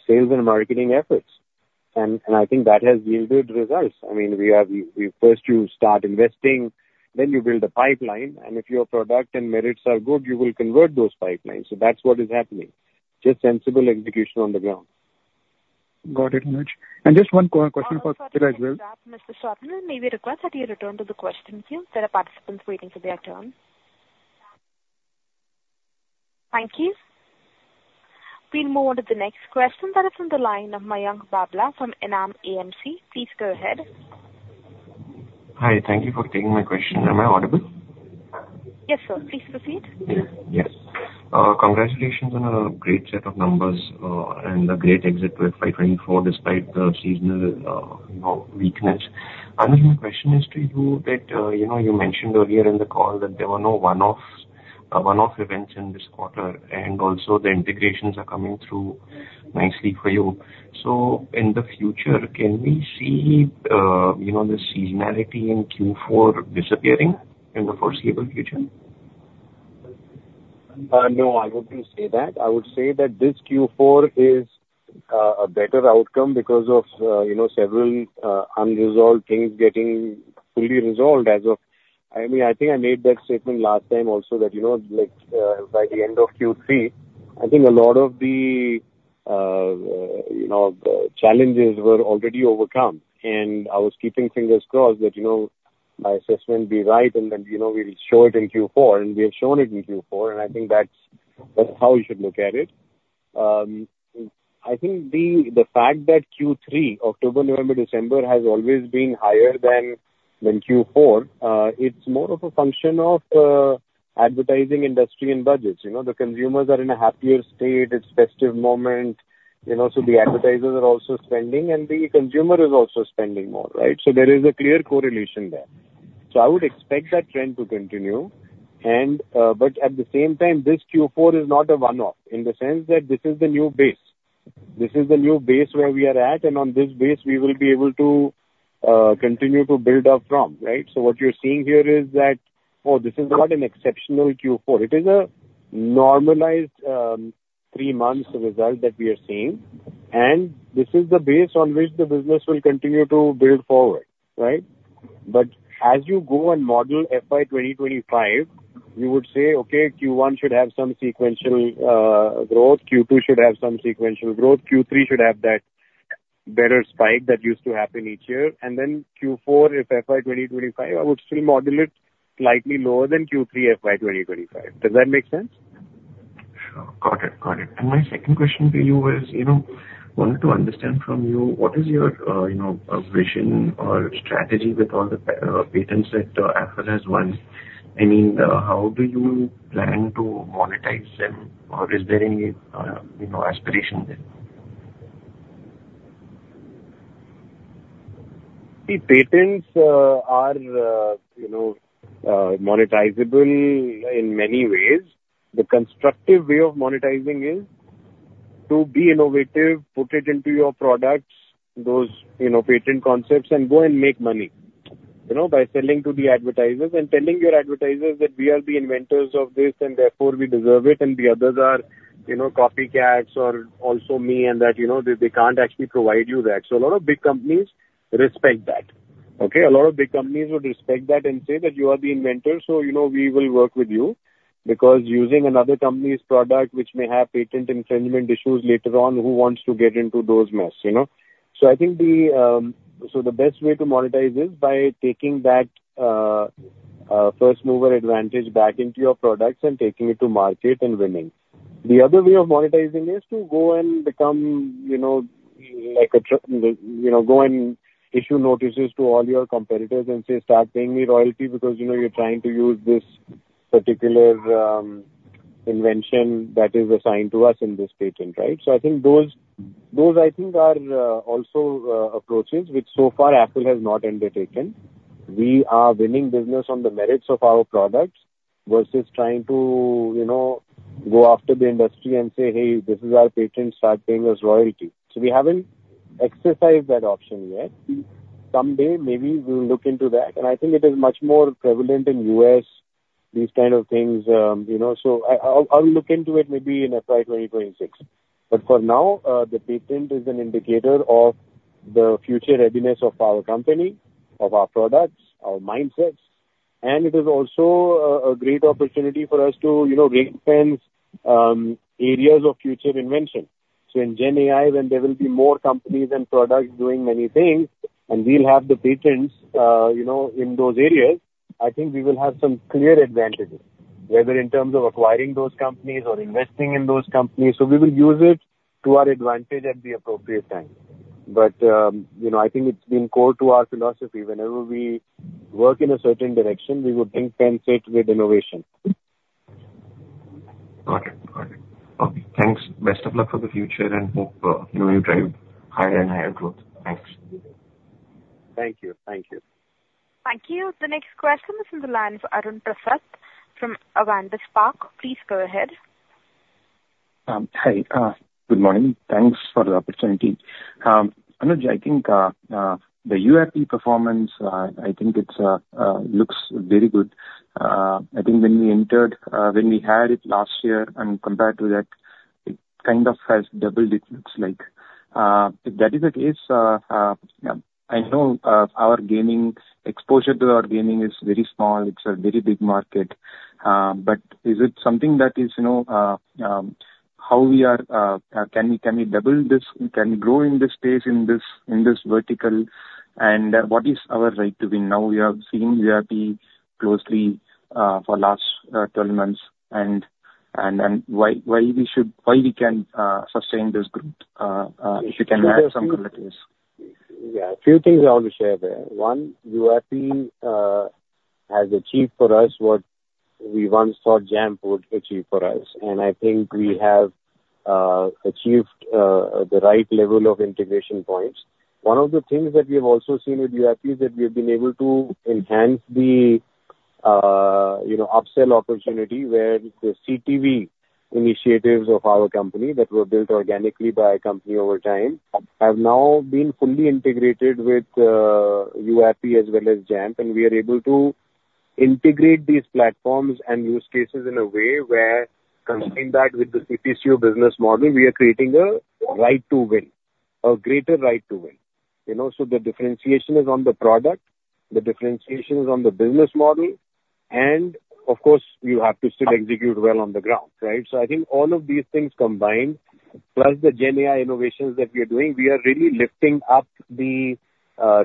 sales and marketing efforts. And I think that has yielded results. I mean, first you start investing, then you build a pipeline, and if your product and merits are good, you will convert those pipelines. So that's what is happening. Just sensible execution on the ground. Got it, Anuj. And just one quick question for- Mr. Swapnil, may we request that you return to the question queue? There are participants waiting for their turn. Thank you. We'll move on to the next question that is on the line of Mayank Babla from Enam AMC. Please go ahead. Hi. Thank you for taking my question. Am I audible? Yes, sir. Please proceed. Yes. Congratulations on a great set of numbers, and a great exit to FY 2024, despite the seasonal, you know, weakness. Anuj, my question is to you that, you know, you mentioned earlier in the call that there were no one-offs, one-off events in this quarter, and also the integrations are coming through nicely for you. So in the future, can we see, you know, the seasonality in Q4 disappearing in the foreseeable future? No, I wouldn't say that. I would say that this Q4 is a better outcome because of, you know, several unresolved things getting fully resolved as of... I mean, I think I made that statement last time also, that, you know, like, by the end of Q3, I think a lot of the, you know, the challenges were already overcome. And I was keeping fingers crossed that, you know, my assessment be right, and then, you know, we'll show it in Q4, and we have shown it in Q4, and I think that's how we should look at it. I think the fact that Q3, October, November, December, has always been higher than Q4, it's more of a function of advertising industry and budgets. You know, the consumers are in a happier state. It's festive moment, you know, so the advertisers are also spending, and the consumer is also spending more, right? So there is a clear correlation there. So I would expect that trend to continue. And, but at the same time, this Q4 is not a one-off, in the sense that this is the new base. This is the new base where we are at, and on this base we will be able to continue to build up from, right? So what you're seeing here is that, oh, this is not an exceptional Q4. It is a normalized, three-months result that we are seeing, and this is the base on which the business will continue to build forward, right? But as you go and model FY 2025, you would say, okay, Q1 should have some sequential growth, Q2 should have some sequential growth, Q3 should have that better spike that used to happen each year, and then Q4, if FY 2025, I would still model it slightly lower than Q3 FY 2025. Does that make sense? Got it. Got it. My second question to you is, you know, wanted to understand from you, what is your, you know, vision or strategy with all the patents that Affle has won? I mean, how do you plan to monetize them, or is there any, you know, aspiration there? The patents are, you know, monetizable in many ways. The constructive way of monetizing is to be innovative, put it into your products, those, you know, patent concepts, and go and make money, you know, by selling to the advertisers and telling your advertisers that we are the inventors of this, and therefore we deserve it, and the others are, you know, copycats or also me, and that, you know, they, they can't actually provide you that. So a lot of big companies respect that, okay? A lot of big companies would respect that and say that you are the inventor, so, you know, we will work with you, because using another company's product which may have patent infringement issues later on, who wants to get into those mess, you know? So I think the, so the best way to monetize is by taking that, first mover advantage back into your products and taking it to market and winning. The other way of monetizing is to go and become, you know, You know, go and issue notices to all your competitors and say: Start paying me royalty because, you know, you're trying to use this particular, invention that is assigned to us in this patent, right? So I think those, those, I think, are, also, approaches, which so far Affle has not undertaken. We are winning business on the merits of our products versus trying to, you know, go after the industry and say, "Hey, this is our patent, start paying us royalty." So we haven't exercised that option yet. Someday, maybe we'll look into that, and I think it is much more prevalent in U.S., these kind of things, you know, so I'll look into it maybe in FY 2026. But for now, the patent is an indicator of the future readiness of our company, of our products, our mindsets, and it is also a great opportunity for us to, you know, reinforce areas of future invention. So in GenAI, when there will be more companies and products doing many things, and we'll have the patents, you know, in those areas, I think we will have some clear advantages, whether in terms of acquiring those companies or investing in those companies. So we will use it to our advantage at the appropriate time. But, you know, I think it's been core to our philosophy. Whenever we work in a certain direction, we would compensate with innovation. Got it. Got it. Okay, thanks. Best of luck for the future, and hope, you know, you drive higher and higher growth. Thanks. Thank you. Thank you. Thank you. The next question is on the line for Arun Prasath from Avendus Spark. Please go ahead. Hi. Good morning. Thanks for the opportunity. Anuj, I think the UAP performance, I think it looks very good. I think when we entered, when we had it last year and compared to that kind of has doubled, it looks like. If that is the case, I know our gaming exposure to our gaming is very small. It's a very big market, but is it something that is, you know, how we are, can we, can we double this? Can we grow in this space, in this, in this vertical? And what is our right to win? Now, we are seeing URP closely for last 12 months, and why we can sustain this group, if you can add some color please. Yeah. A few things I want to share there. One, URP has achieved for us what we once thought Jampp would achieve for us, and I think we have achieved the right level of integration points. One of the things that we have also seen with URP is that we have been able to enhance the, you know, upsell opportunity, where the CTV initiatives of our company that were built organically by our company over time, have now been fully integrated with URP as well as Jampp. And we are able to integrate these platforms and use cases in a way where, combining that with the CPCU business model, we are creating a right to win, a greater right to win. You know, so the differentiation is on the product, the differentiation is on the business model, and of course, you have to still execute well on the ground, right? So I think all of these things combined, plus the GenAI innovations that we are doing, we are really lifting up the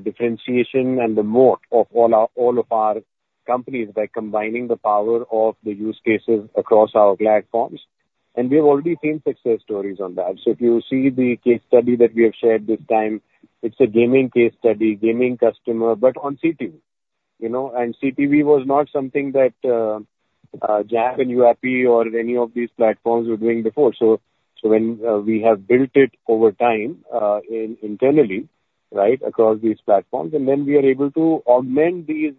differentiation and the moat of all our, all of our companies by combining the power of the use cases across our platforms. And we have already seen success stories on that. So if you see the case study that we have shared this time, it's a gaming case study, gaming customer, but on CTV. You know, and CTV was not something that Jampp and YouAppi or any of these platforms were doing before. So when we have built it over time internally, right? Across these platforms, and then we are able to augment these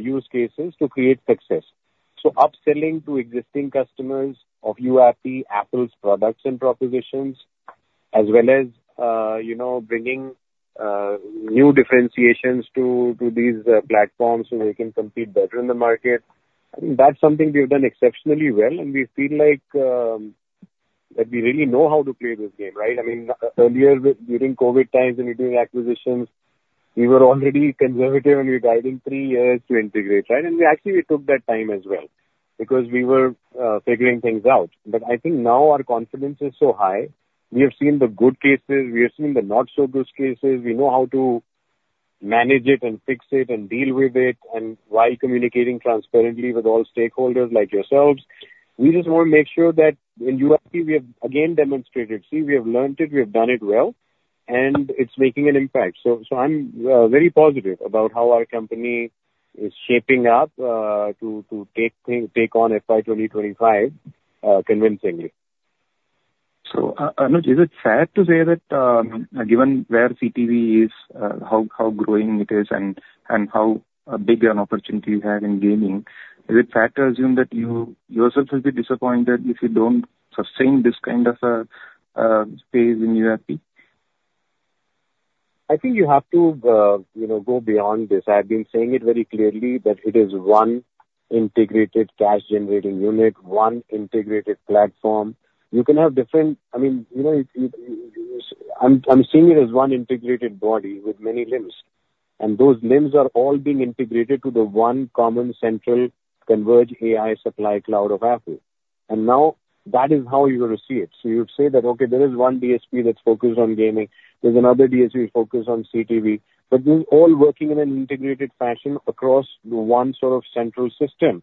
use cases to create success. So upselling to existing customers of YouAppi, Affle's products and propositions, as well as, you know, bringing new differentiations to these platforms so they can compete better in the market, I think that's something we've done exceptionally well, and we feel like that we really know how to play this game, right? I mean, earlier, during COVID times, when we were doing acquisitions, we were already conservative, and we were guiding three years to integrate, right? And we actually took that time as well, because we were figuring things out. But I think now our confidence is so high. We have seen the good cases, we have seen the not so good cases. We know how to manage it and fix it and deal with it, and while communicating transparently with all stakeholders like yourselves, we just want to make sure that in URP we have again demonstrated, see, we have learned it, we have done it well, and it's making an impact. So, I'm very positive about how our company is shaping up to take on FY 2025 convincingly. So, Anuj, is it fair to say that, given where CTV is, how growing it is and how big an opportunity you have in gaming, is it fair to assume that you yourselves will be disappointed if you don't sustain this kind of a space in URP? I think you have to, you know, go beyond this. I've been saying it very clearly, that it is one integrated cash-generating unit, one integrated platform. You can have different... I mean, you know, I'm seeing it as one integrated body with many limbs, and those limbs are all being integrated to the one common central converged AI supply cloud of Affle. And now that is how you receive it. So you would say that, okay, there is one DSP that's focused on gaming. There's another DSP focused on CTV. But this is all working in an integrated fashion across one sort of central system,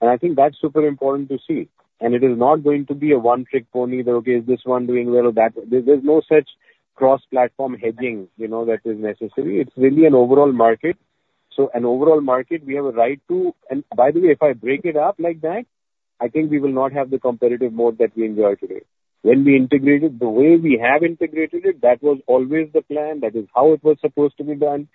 and I think that's super important to see. And it is not going to be a one-trick pony, that, okay, is this one doing well or that? There's no such cross-platform hedging, you know, that is necessary. It's really an overall market. So an overall market, we have a right to... And by the way, if I break it up like that, I think we will not have the competitive moat that we enjoy today. When we integrated the way we have integrated it, that was always the plan. That is how it was supposed to be done,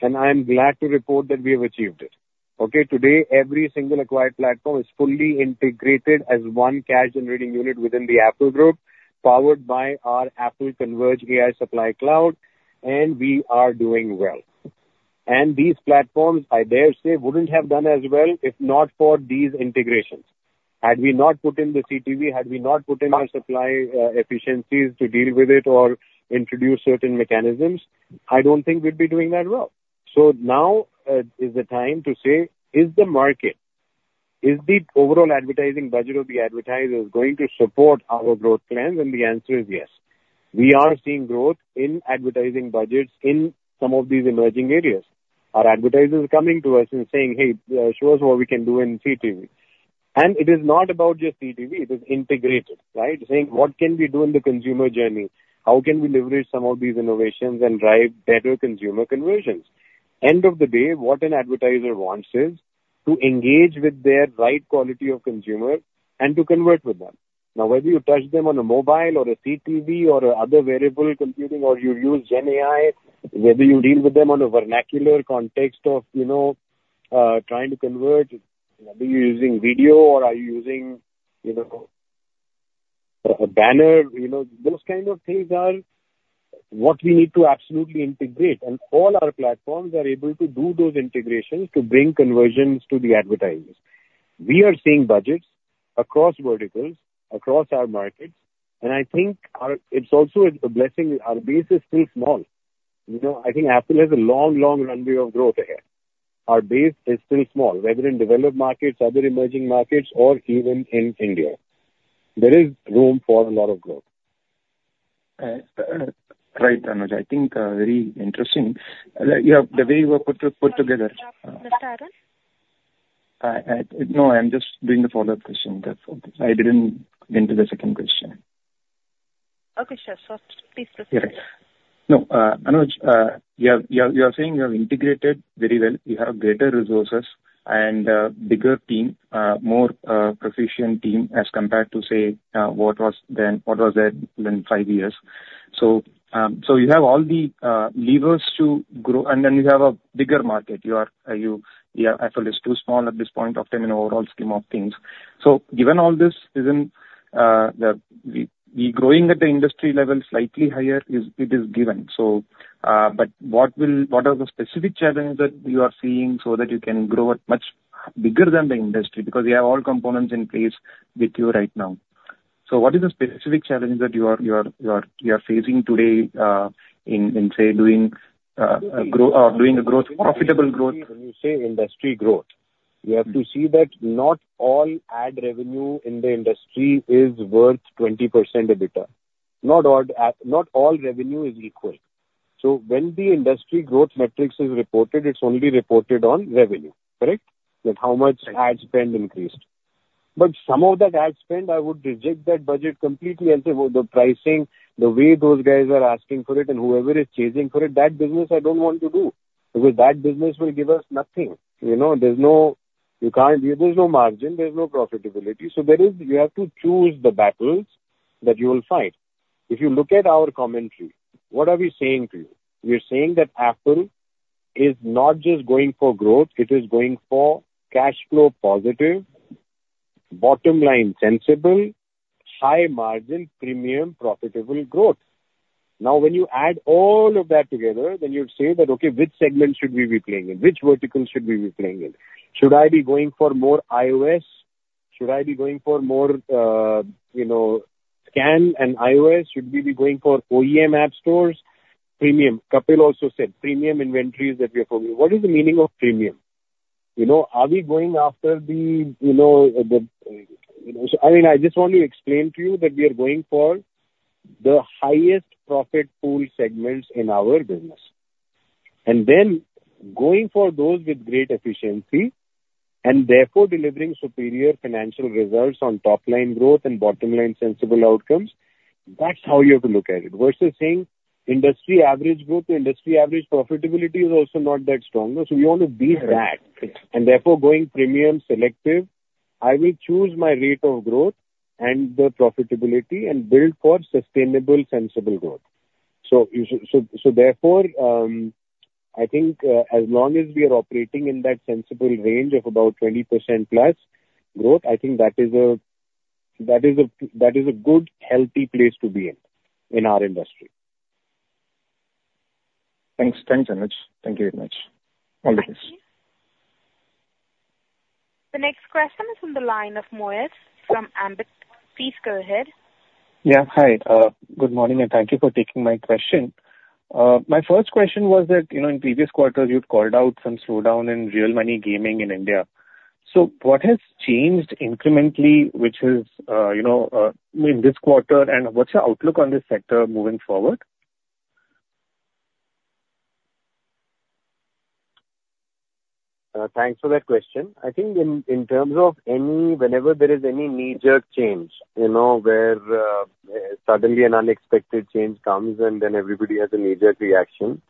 and I am glad to report that we have achieved it. Okay? Today, every single acquired platform is fully integrated as one cash-generating unit within the Affle group, powered by our Affle ConvergeAI supply cloud, and we are doing well. And these platforms, I dare say, wouldn't have done as well if not for these integrations. Had we not put in the CTV, had we not put in our supply efficiencies to deal with it or introduce certain mechanisms, I don't think we'd be doing that well. So now is the time to say, is the market, is the overall advertising budget of the advertisers going to support our growth plans? The answer is yes. We are seeing growth in advertising budgets in some of these emerging areas. Our advertisers are coming to us and saying, "Hey, show us what we can do in CTV." And it is not about just CTV, it is integrated, right? Saying: "What can we do in the consumer journey? How can we leverage some of these innovations and drive better consumer conversions?" End of the day, what an advertiser wants is to engage with their right quality of consumer and to convert with them. Now, whether you touch them on a mobile or a CTV or other variable computing, or you use GenAI, whether you deal with them on a vernacular context of, you know, trying to convert, whether you're using video or are you using, you know, a banner, you know, those kind of things are what we need to absolutely integrate, and all our platforms are able to do those integrations to bring conversions to the advertisers. We are seeing budgets across verticals, across our markets, and I think our—it's also a blessing. Our base is still small. You know, I think Affle has a long, long runway of growth ahead. Our base is still small, whether in developed markets, other emerging markets, or even in India. There is room for a lot of growth. Right, Anuj. I think very interesting. You have... the way you have put together- Mr. Arun? No, I'm just doing a follow-up question. That's okay. I didn't get to the second question. Okay, sure. So please proceed. Yeah. No, Anuj, you have, you are, you are saying you have integrated very well, you have greater resources and, bigger team, more, proficient team as compared to, say, what was then, what was there within five years. So, so you have all the, levers to grow, and then you have a bigger market. You are, you, yeah, Affle is too small at this point of time in overall scheme of things. So given all this, isn't, the, we, we growing at the industry level, slightly higher is, it is given. So, but what will... What are the specific challenges that you are seeing so that you can grow at much bigger than the industry? Because you have all components in place with you right now. So what are the specific challenges that you are facing today, in, say, doing growth or doing a growth, profitable growth? When you say industry growth, you have to see that not all ad revenue in the industry is worth 20% EBITDA. Not all, not all revenue is equal. So when the industry growth metrics is reported, it's only reported on revenue. Correct? That's how much ad spend increased. But some of that ad spend, I would reject that budget completely and say, well, the pricing, the way those guys are asking for it and whoever is chasing for it, that business I don't want to do, because that business will give us nothing. You know, there's no... You can't, there's no margin, there's no profitability. So there is, you have to choose the battles that you will fight. If you look at our commentary, what are we saying to you? We are saying that Affle is not just going for growth, it is going for cash flow positive, bottom line sensible, high margin, premium, profitable growth. Now, when you add all of that together, then you'd say that, okay, which segment should we be playing in? Which vertical should we be playing in? Should I be going for more iOS? Should I be going for more, you know, SKAN and iOS? Should we be going for OEM app stores? Premium. Kapil also said premium inventories that we are providing. What is the meaning of premium? You know, are we going after the, you know, so I mean, I just want to explain to you that we are going for the highest profit pool segments in our business, and then going for those with great efficiency and therefore delivering superior financial results on top line growth and bottom line sensible outcomes. That's how you have to look at it, versus saying industry average growth. Industry average profitability is also not that strong. So we want to be back and therefore going premium selective. I will choose my rate of growth and the profitability and build for sustainable, sensible growth. So therefore, I think, as long as we are operating in that sensible range of about 20%+ growth, I think that is a good, healthy place to be in our industry. Thanks. Thanks, Anuj. Thank you very much. All the best. Thank you. The next question is on the line of Moez from Ambit. Please go ahead. Yeah, hi. Good morning, and thank you for taking my question. My first question was that, you know, in previous quarters, you'd called out some slowdown in real money gaming in India. So what has changed incrementally, which is, you know, in this quarter, and what's your outlook on this sector moving forward? Thanks for that question. I think in terms of any... Whenever there is any major change, you know, where suddenly an unexpected change comes and then everybody has a major reaction,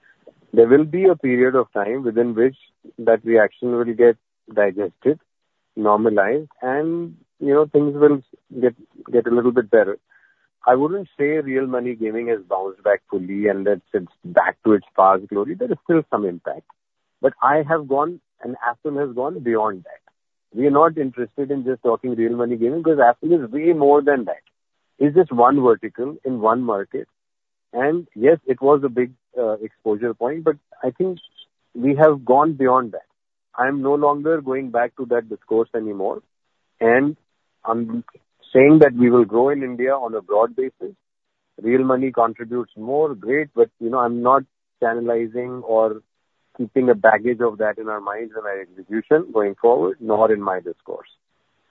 there will be a period of time within which that reaction will get digested, normalized, and, you know, things will get a little bit better. I wouldn't say real money gaming has bounced back fully, and that it's back to its past glory. There is still some impact, but I have gone, and Affle has gone beyond that. We are not interested in just talking real money gaming, because Affle is way more than that. It's just one vertical in one market, and yes, it was a big exposure point, but I think we have gone beyond that. I'm no longer going back to that discourse anymore, and I'm saying that we will grow in India on a broad basis. Real money contributes more, great, but you know, I'm not channelizing or keeping a baggage of that in our minds and our execution going forward, nor in my discourse.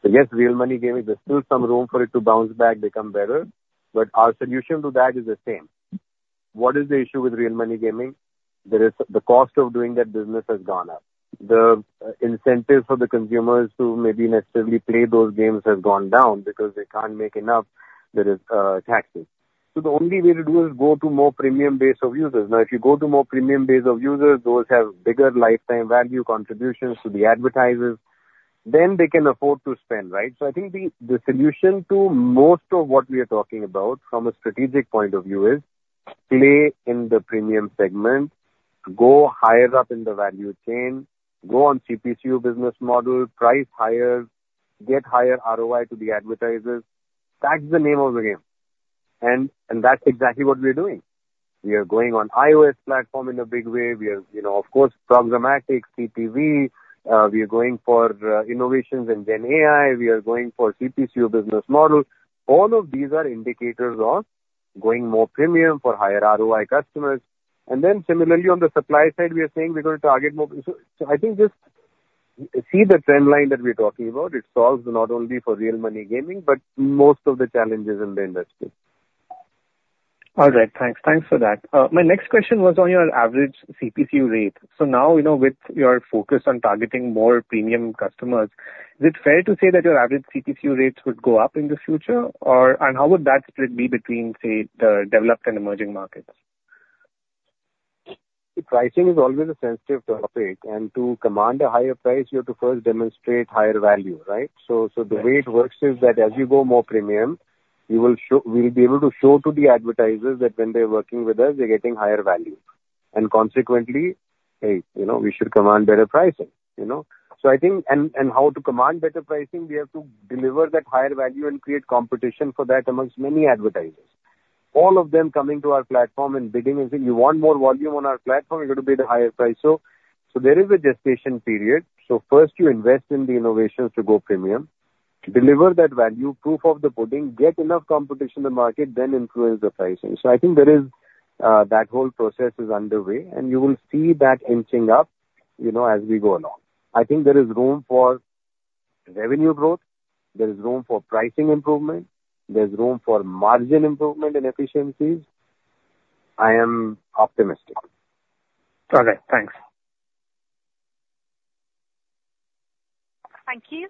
So yes, real money gaming, there's still some room for it to bounce back, become better, but our solution to that is the same. What is the issue with real money gaming? There is, the cost of doing that business has gone up. The incentive for the consumers to maybe necessarily play those games has gone down because they can't make enough. There is taxes. So the only way to do is go to more premium base of users. Now, if you go to more premium base of users, those have bigger lifetime value contributions to the advertisers, then they can afford to spend, right? So I think the solution to most of what we are talking about from a strategic point of view is play in the premium segment, go higher up in the value chain, go on CPCU business model, price higher, get higher ROI to the advertisers, that's the name of the game. And that's exactly what we're doing. We are going on iOS platform in a big way. We are, you know, of course, programmatic, CTV, we are going for innovations in GenAI, we are going for CTCU business model. All of these are indicators of going more premium for higher ROI customers. And then similarly, on the supply side, we are saying we're going to target more. So, I think just see the trend line that we're talking about. It solves not only for Real Money Gaming, but most of the challenges in the industry. All right. Thanks. Thanks for that. My next question was on your average CPCU rate. So now, you know, with your focus on targeting more premium customers, is it fair to say that your average CPCU rates would go up in the future, or and how would that split be between, say, the developed and emerging markets? The pricing is always a sensitive topic, and to command a higher price, you have to first demonstrate higher value, right? Right. So the way it works is that as you go more premium, you will show... We'll be able to show to the advertisers that when they're working with us, they're getting higher value, and consequently, hey, you know, we should command better pricing, you know? So I think... And how to command better pricing, we have to deliver that higher value and create competition for that among many advertisers. All of them coming to our platform and bidding and saying, "You want more volume on our platform, you're going to pay the higher price." So there is a gestation period. So first you invest in the innovations to go premium, deliver that value, proof of the pudding, get enough competition in the market, then influence the pricing. So I think there is, that whole process is underway, and you will see that inching up, you know, as we go along. I think there is room for revenue growth, there is room for pricing improvement, there's room for margin improvement and efficiencies. I am optimistic. Okay, thanks. Thank you.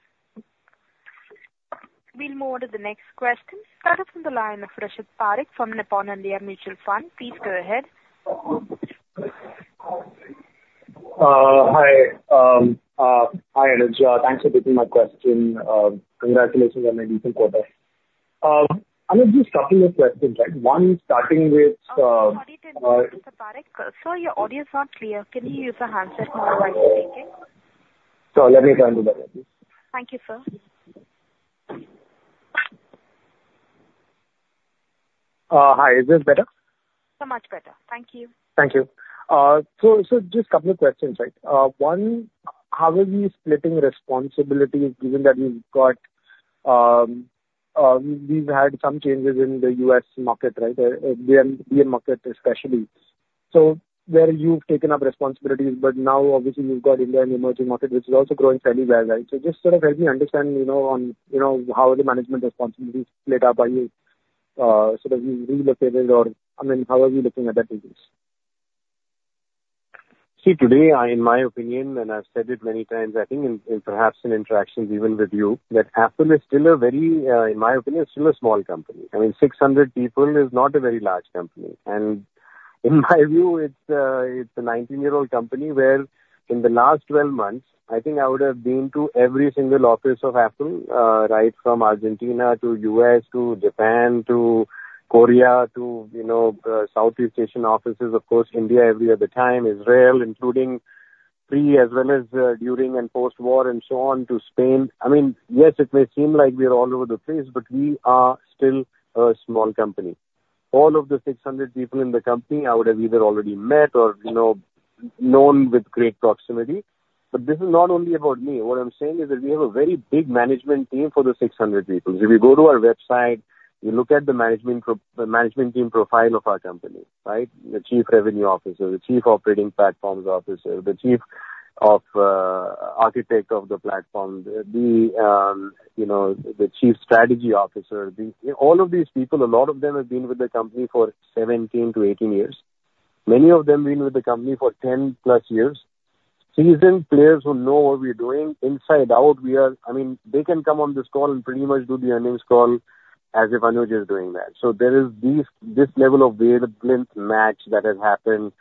We'll move on to the next question. Start off on the line of Rishit Parikh from Nippon India Mutual Fund. Please go ahead. Hi. Hi, Anuj. Thanks for taking my question. Congratulations on a decent quarter. I have just a couple of questions, right? One, starting with- Sorry to interrupt, Mr. Parikh. Sir, your audio is not clear. Can you use a handset now while you're speaking? Sure, let me try and do that. Thank you, sir. Hi, is this better? So much better. Thank you. Thank you. So just a couple of questions, right? One, how are we splitting responsibilities, given that we've had some changes in the U.S. market, right? The Indian market especially. So where you've taken up responsibilities, but now obviously you've got India and emerging market, which is also growing fairly well, right? So just sort of help me understand, you know, on, you know, how the management responsibilities split up. Are you sort of relocated or, I mean, how are we looking at that business? See, today, in my opinion, and I've said it many times, I think, perhaps, in interactions even with you, that Affle is still a very, in my opinion, is still a small company. I mean, 600 people is not a very large company. And in my view, it's a, it's a 19-year-old company where in the last 12 months, I think I would have been to every single office of Affle, right from Argentina to U.S., to Japan, to Korea, to, you know, Southeast Asian offices, of course, India every other time, Israel, including pre as well as during and post-war and so on, to Spain. I mean, yes, it may seem like we are all over the place, but we are still a small company. All of the 600 people in the company, I would have either already met or, you know, known with great proximity. But this is not only about me. What I'm saying is that we have a very big management team for the 600 people. If you go to our website, you look at the management team profile of our company, right? The Chief Revenue Officer, the Chief Operating Platforms Officer, the Chief Architect of the platform, you know, the Chief Strategy Officer. All of these people, a lot of them have been with the company for 17-18 years. Many of them been with the company for 10+ years. Seasoned players who know what we're doing inside out. I mean, they can come on this call and pretty much do the earnings call as if Anuj is doing that. So there is this level of wavelength match that has happened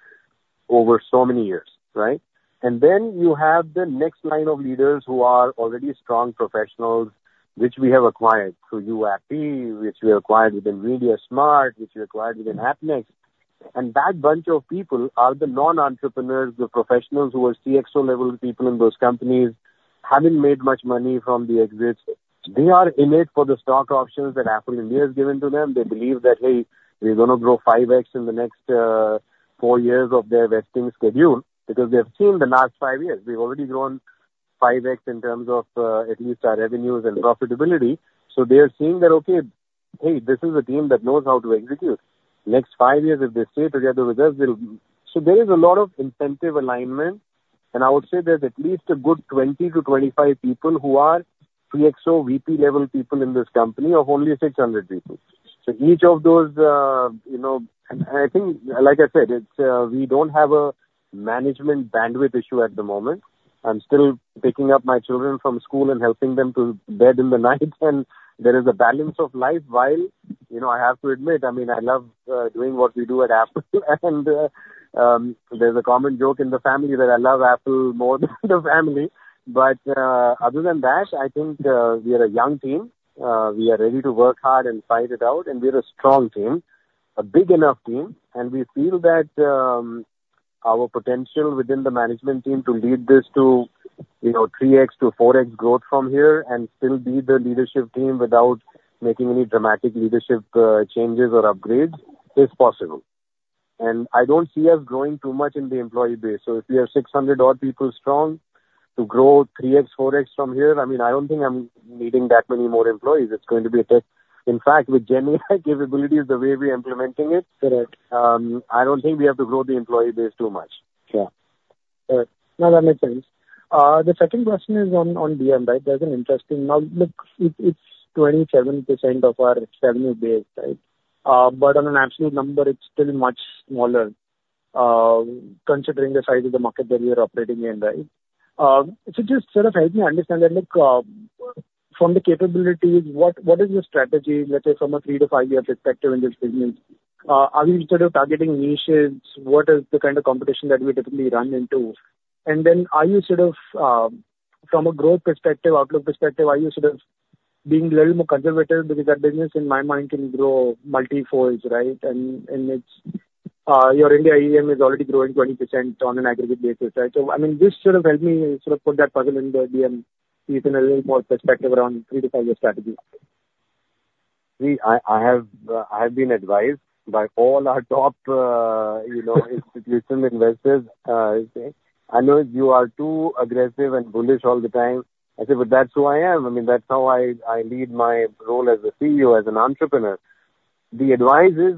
over so many years, right? And then you have the next line of leaders who are already strong professionals, which we have acquired through UAP, which we acquired within MediaSmart, which we acquired within AppNext. And that bunch of people are the non-entrepreneurs, the professionals who are CXO-level people in those companies, haven't made much money from the exits. They are in it for the stock options that Affle India has given to them. They believe that, "Hey, we're going to grow 5x in the next four years of their vesting schedule," because they've seen the last five years. We've already grown 5x in terms of at least our revenues and profitability. So they are seeing that, okay, hey, this is a team that knows how to execute. Next five years, if they stay together with us, they'll... So there is a lot of incentive alignment, and I would say there's at least a good 20-25 people who are CXO VP-level people in this company of only 600 people. So each of those, you know - And, and I think, like I said, it's we don't have a management bandwidth issue at the moment. I'm still picking up my children from school and helping them to bed in the night, and there is a balance of life while, you know, I have to admit, I mean, I love doing what we do at Affle. There's a common joke in the family that I love Affle more than the family. But other than that, I think we are a young team. We are ready to work hard and fight it out, and we are a strong team, a big enough team, and we feel that our potential within the management team to lead this to, you know, 3x-4x growth from here and still be the leadership team without making any dramatic leadership changes or upgrades is possible. I don't see us growing too much in the employee base. So if we are 600-odd people strong, to grow 3x, 4x from here, I mean, I don't think I'm needing that many more employees. It's going to be a test. In fact, with GenAI capabilities, the way we're implementing it- Correct. I don't think we have to grow the employee base too much. Yeah. Correct. No, that makes sense. The second question is on DM, right? There's an interesting... Now, look, it's 27% of our revenue base, right? But on an absolute number, it's still much smaller, considering the size of the market that we are operating in, right? So just sort of help me understand that, like, from the capabilities, what is your strategy, let's say from a 3- to 5-year perspective in this business? Are you sort of targeting niches? What is the kind of competition that we typically run into? And then are you sort of, from a growth perspective, outlook perspective, are you sort of being a little more conservative because that business in my mind can grow multi-folds, right? And it's your India EM is already growing 20% on an aggregate basis, right? So, I mean, this should have helped me sort of put that puzzle in the DM piece in a little more perspective around 3-5 year strategy. I have been advised by all our top, you know, institutional investors, say, "Anuj, you are too aggressive and bullish all the time." I say, "Well, that's who I am. I mean, that's how I lead my role as a CEO, as an entrepreneur." The advice is,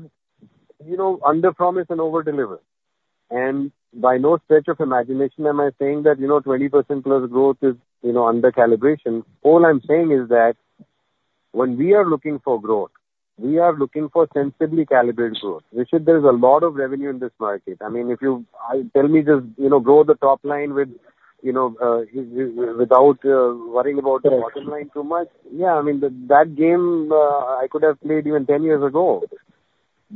you know, underpromise and overdeliver, and by no stretch of imagination am I saying that, you know, 20%+ growth is, you know, undercalibration. All I'm saying is that when we are looking for growth, we are looking for sensibly calibrated growth. Rishit, there's a lot of revenue in this market. I mean, if you tell me just, you know, grow the top line with, you know, without worrying about- Correct. -the bottom line too much. Yeah, I mean, the, that game, I could have played even 10 years ago.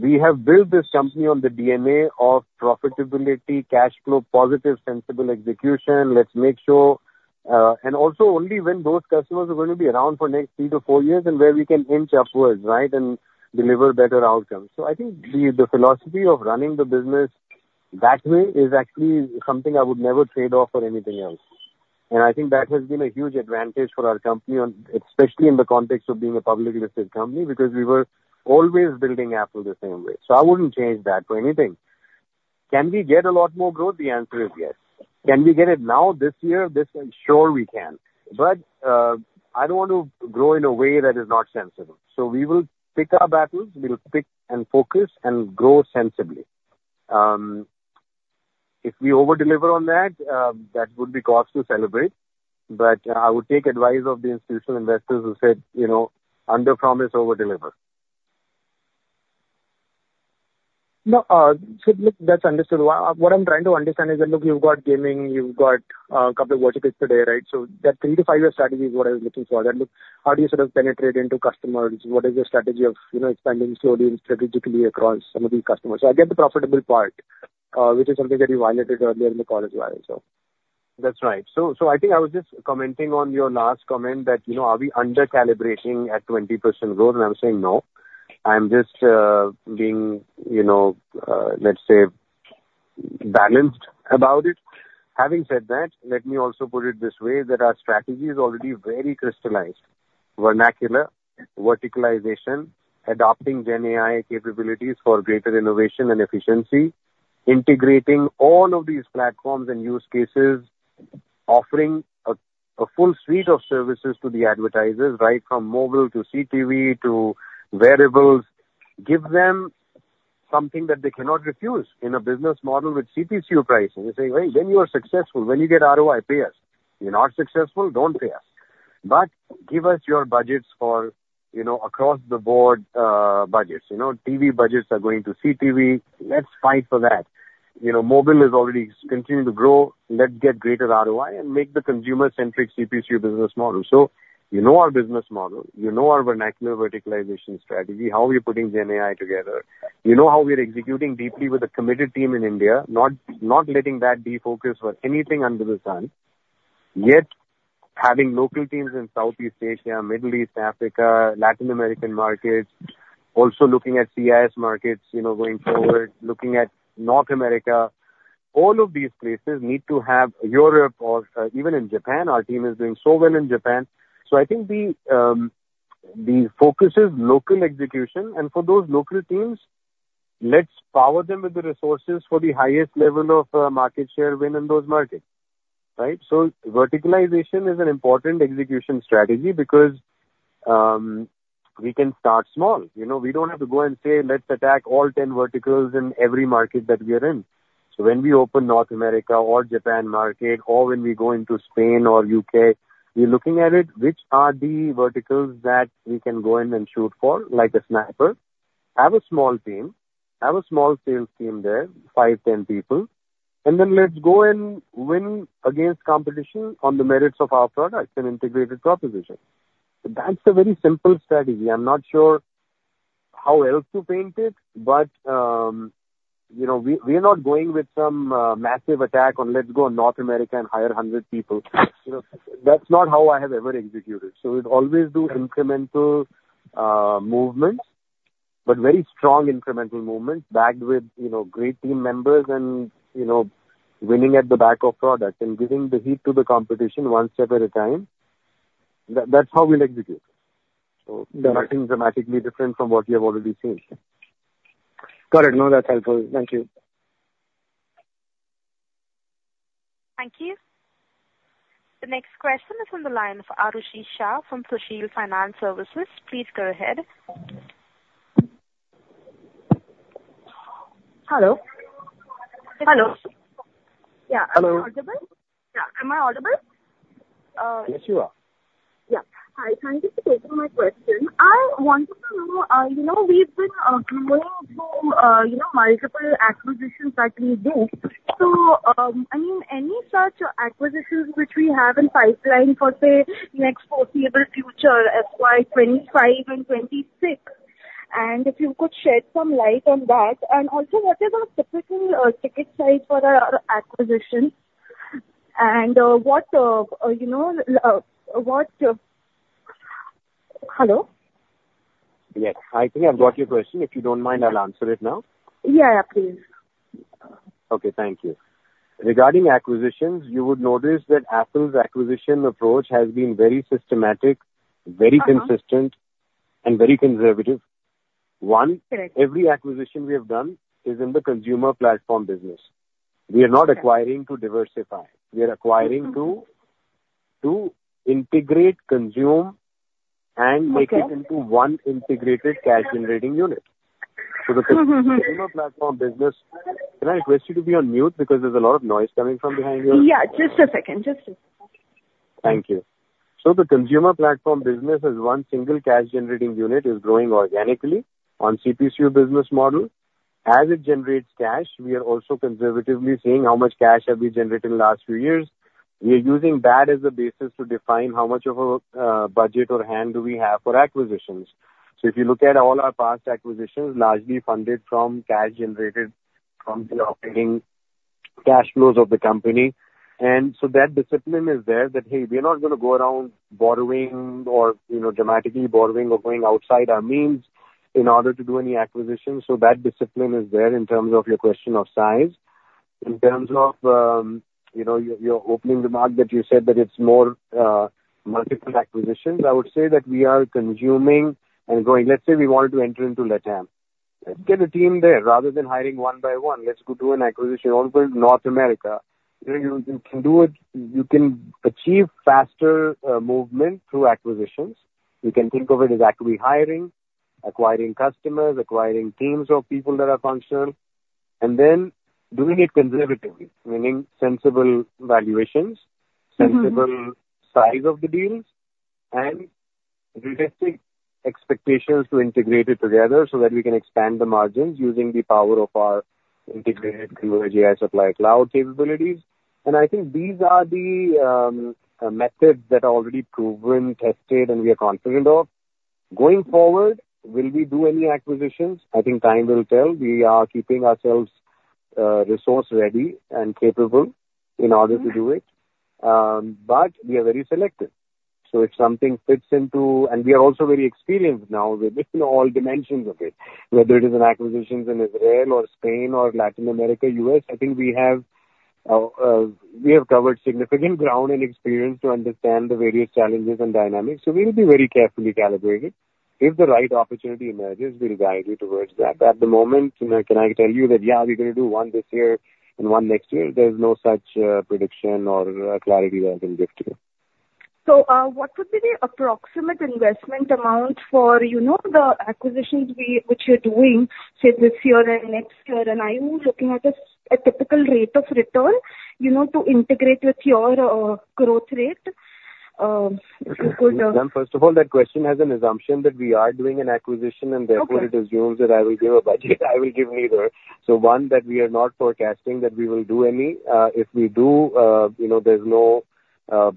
We have built this company on the DNA of profitability, cash flow, positive, sensible execution. Let's make sure, and also only when those customers are going to be around for next 3-4 years, and where we can inch upwards, right? And deliver better outcomes. So I think the, the philosophy of running the business that way is actually something I would never trade off for anything else, and I think that has been a huge advantage for our company on, especially in the context of being a publicly listed company, because we were always building Affle the same way. So I wouldn't change that for anything. Can we get a lot more growth? The answer is yes. Can we get it now, this year, this... Sure, we can. But, I don't want to grow in a way that is not sensible. So we will pick our battles, we'll pick and focus and grow sensibly. If we overdeliver on that, that would be cause to celebrate, but I would take advice of the institutional investors who said, you know, "Underpromise, overdeliver." No, so, look, that's understood. What I'm trying to understand is that, look, you've got gaming, you've got a couple of verticals today, right? So that 3-5 year strategy is what I was looking for. Then, look, how do you sort of penetrate into customers? What is your strategy of, you know, expanding slowly and strategically across some of these customers? So I get the profitable part, which is something that you highlighted earlier in the call as well, so. That's right. So, so I think I was just commenting on your last comment that, you know, are we undercalibrating at 20% growth? And I'm saying, no. I'm just being, you know, let's say, balanced about it. Having said that, let me also put it this way, that our strategy is already very crystallized. Vernacular, verticalization, adopting GenAI capabilities for greater innovation and efficiency, integrating all of these platforms and use cases, offering a full suite of services to the advertisers, right, from mobile to CTV to wearables. Give them something that they cannot refuse in a business model with CPC pricing and say, "Hey, when you are successful, when you get ROI, pay us. You're not successful? Don't pay us. But give us your budgets for, you know, across the board, budgets." You know, TV budgets are going to CTV. Let's fight for that. You know, mobile is already continuing to grow. Let's get greater ROI and make the consumer-centric CPC business model. So you know our business model, you know our vernacular verticalization strategy, how we're putting GenAI together. You know how we are executing deeply with a committed team in India, not letting that defocus for anything under the sun. Yet, having local teams in Southeast Asia, Middle East, Africa, Latin American markets, also looking at CIS markets, you know, going forward, looking at North America. All of these places need to have Europe or even in Japan, our team is doing so well in Japan. So I think the focus is local execution, and for those local teams, let's power them with the resources for the highest level of market share win in those markets, right? Verticalization is an important execution strategy because we can start small. You know, we don't have to go and say, let's attack all 10 verticals in every market that we are in. So when we open North America or Japan market or when we go into Spain or U.K., we're looking at it, which are the verticals that we can go in and shoot for, like a sniper? Have a small team, have a small sales team there, 5, 10 people, and then let's go and win against competition on the merits of our product and integrated proposition. That's a very simple strategy. I'm not sure how else to paint it, but, you know, we, we are not going with some massive attack on let's go North America and hire 100 people. You know, that's not how I have ever executed. So we'd always do incremental movements. But very strong incremental movement, backed with, you know, great team members and, you know, winning at the back of product and giving the heat to the competition one step at a time. That's how we like to do. So nothing dramatically different from what you have already seen. Got it. No, that's helpful. Thank you. Thank you. The next question is on the line of Arushi Shah from Sushil Finance Services. Please go ahead. Hello? Hello. Yeah. Hello. Am I audible? Yeah, am I audible? Yes, you are. Yeah. Hi, thank you for taking my question. I wanted to know, you know, we've been going through, you know, multiple acquisitions that we do. So, I mean, any such acquisitions which we have in pipeline for, say, the next foreseeable future, FY 2025 and 2026, and if you could shed some light on that. And also, what is our typical ticket size for our acquisitions? And, what, you know, what... Hello? Yes. I think I've got your question. If you don't mind, I'll answer it now. Yeah. Please. Okay, thank you. Regarding acquisitions, you would notice that Affle's acquisition approach has been very systematic- Uh-huh. Very consistent and very conservative. Correct. One, every acquisition we have done is in the consumer platform business. Correct. We are not acquiring to diversify. Mm-hmm. We are acquiring to integrate, consume, and- Okay make it into one integrated, cash-generating unit. Mm-hmm. So the consumer platform business... Can I request you to be on mute? Because there's a lot of noise coming from behind you. Yeah, just a second. Just a second. Thank you. So the consumer platform business as one single cash-generating unit is growing organically on CPCU business model. As it generates cash, we are also conservatively seeing how much cash have we generated in the last few years. We are using that as a basis to define how much of a budget or hand do we have for acquisitions. So if you look at all our past acquisitions, largely funded from cash generated from the operating cash flows of the company. And so that discipline is there, that, hey, we are not gonna go around borrowing or, you know, dramatically borrowing or going outside our means in order to do any acquisitions. So that discipline is there in terms of your question of size. In terms of, you know, your opening remark that you said that it's more multiple acquisitions, I would say that we are consuming and growing. Let's say we wanted to enter into LATAM. Let's get a team there. Rather than hiring one by one, let's go do an acquisition. Also in North America, you can do it. You can achieve faster movement through acquisitions. You can think of it as actually hiring, acquiring customers, acquiring teams of people that are functional, and then doing it conservatively, meaning sensible valuations. Mm-hmm. -sensible size of the deals, and realistic expectations to integrate it together so that we can expand the margins using the power of our integrated Converge supply cloud capabilities. And I think these are the methods that are already proven, tested, and we are confident of. Going forward, will we do any acquisitions? I think time will tell. We are keeping ourselves resource-ready and capable in order to do it. But we are very selective. So if something fits into... And we are also very experienced now with all dimensions of it, whether it is in acquisitions in Israel or Spain or Latin America, US. I think we have covered significant ground and experience to understand the various challenges and dynamics, so we will be very carefully calibrated. If the right opportunity emerges, we will guide you towards that. But at the moment, you know, can I tell you that, yeah, we're gonna do one this year and one next year? There's no such prediction or clarity I can give to you. So, what would be the approximate investment amount for, you know, the acquisitions which you're doing, say, this year and next year? And are you looking at a typical rate of return, you know, to integrate with your growth rate, in good? Ma'am, first of all, that question has an assumption that we are doing an acquisition, and therefore- Okay. -it assumes that I will give a budget. I will give neither. So, one, that we are not forecasting that we will do any. If we do, you know, there's no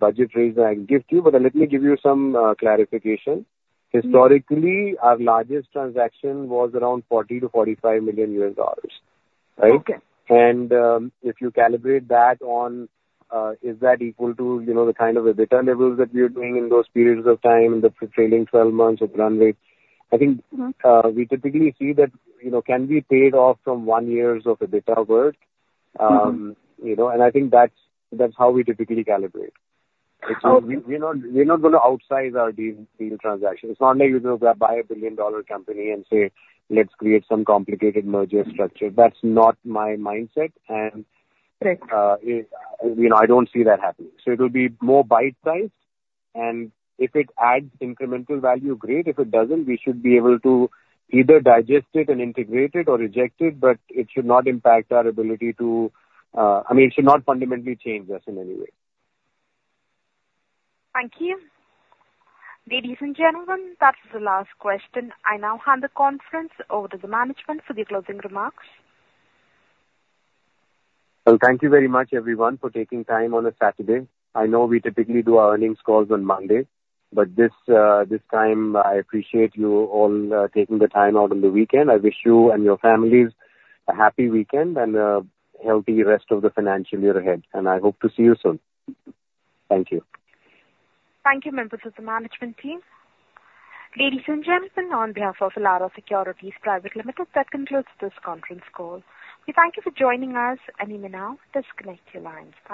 budget range that I can give to you, but let me give you some clarification. Mm. Historically, our largest transaction was around $40 million-$45 million. Right? Okay. If you calibrate that on, is that equal to, you know, the kind of EBITDA levels that we are doing in those periods of time, in the trailing 12 months of run rate, I think- Mm-hmm. We typically see that, you know, can be paid off from one years of EBITDA work. Mm-hmm. You know, I think that's how we typically calibrate. Okay. We're not gonna outsize our deal transaction. It's not like we're gonna buy a billion-dollar company and say, "Let's create some complicated merger structure." That's not my mindset, and- Right. You know, I don't see that happening. So it'll be more bite-sized, and if it adds incremental value, great. If it doesn't, we should be able to either digest it and integrate it or reject it, but it should not impact our ability to, I mean, it should not fundamentally change us in any way. Thank you. Ladies and gentlemen, that's the last question. I now hand the conference over to the management for the closing remarks. Well, thank you very much, everyone, for taking time on a Saturday. I know we typically do our earnings calls on Monday, but this time I appreciate you all taking the time out on the weekend. I wish you and your families a happy weekend and a healthy rest of the financial year ahead, and I hope to see you soon. Thank you. Thank you, members of the management team. Ladies and gentlemen, on behalf of Elara Securities Private Limited, that concludes this conference call. We thank you for joining us, and you may now disconnect your lines. Bye.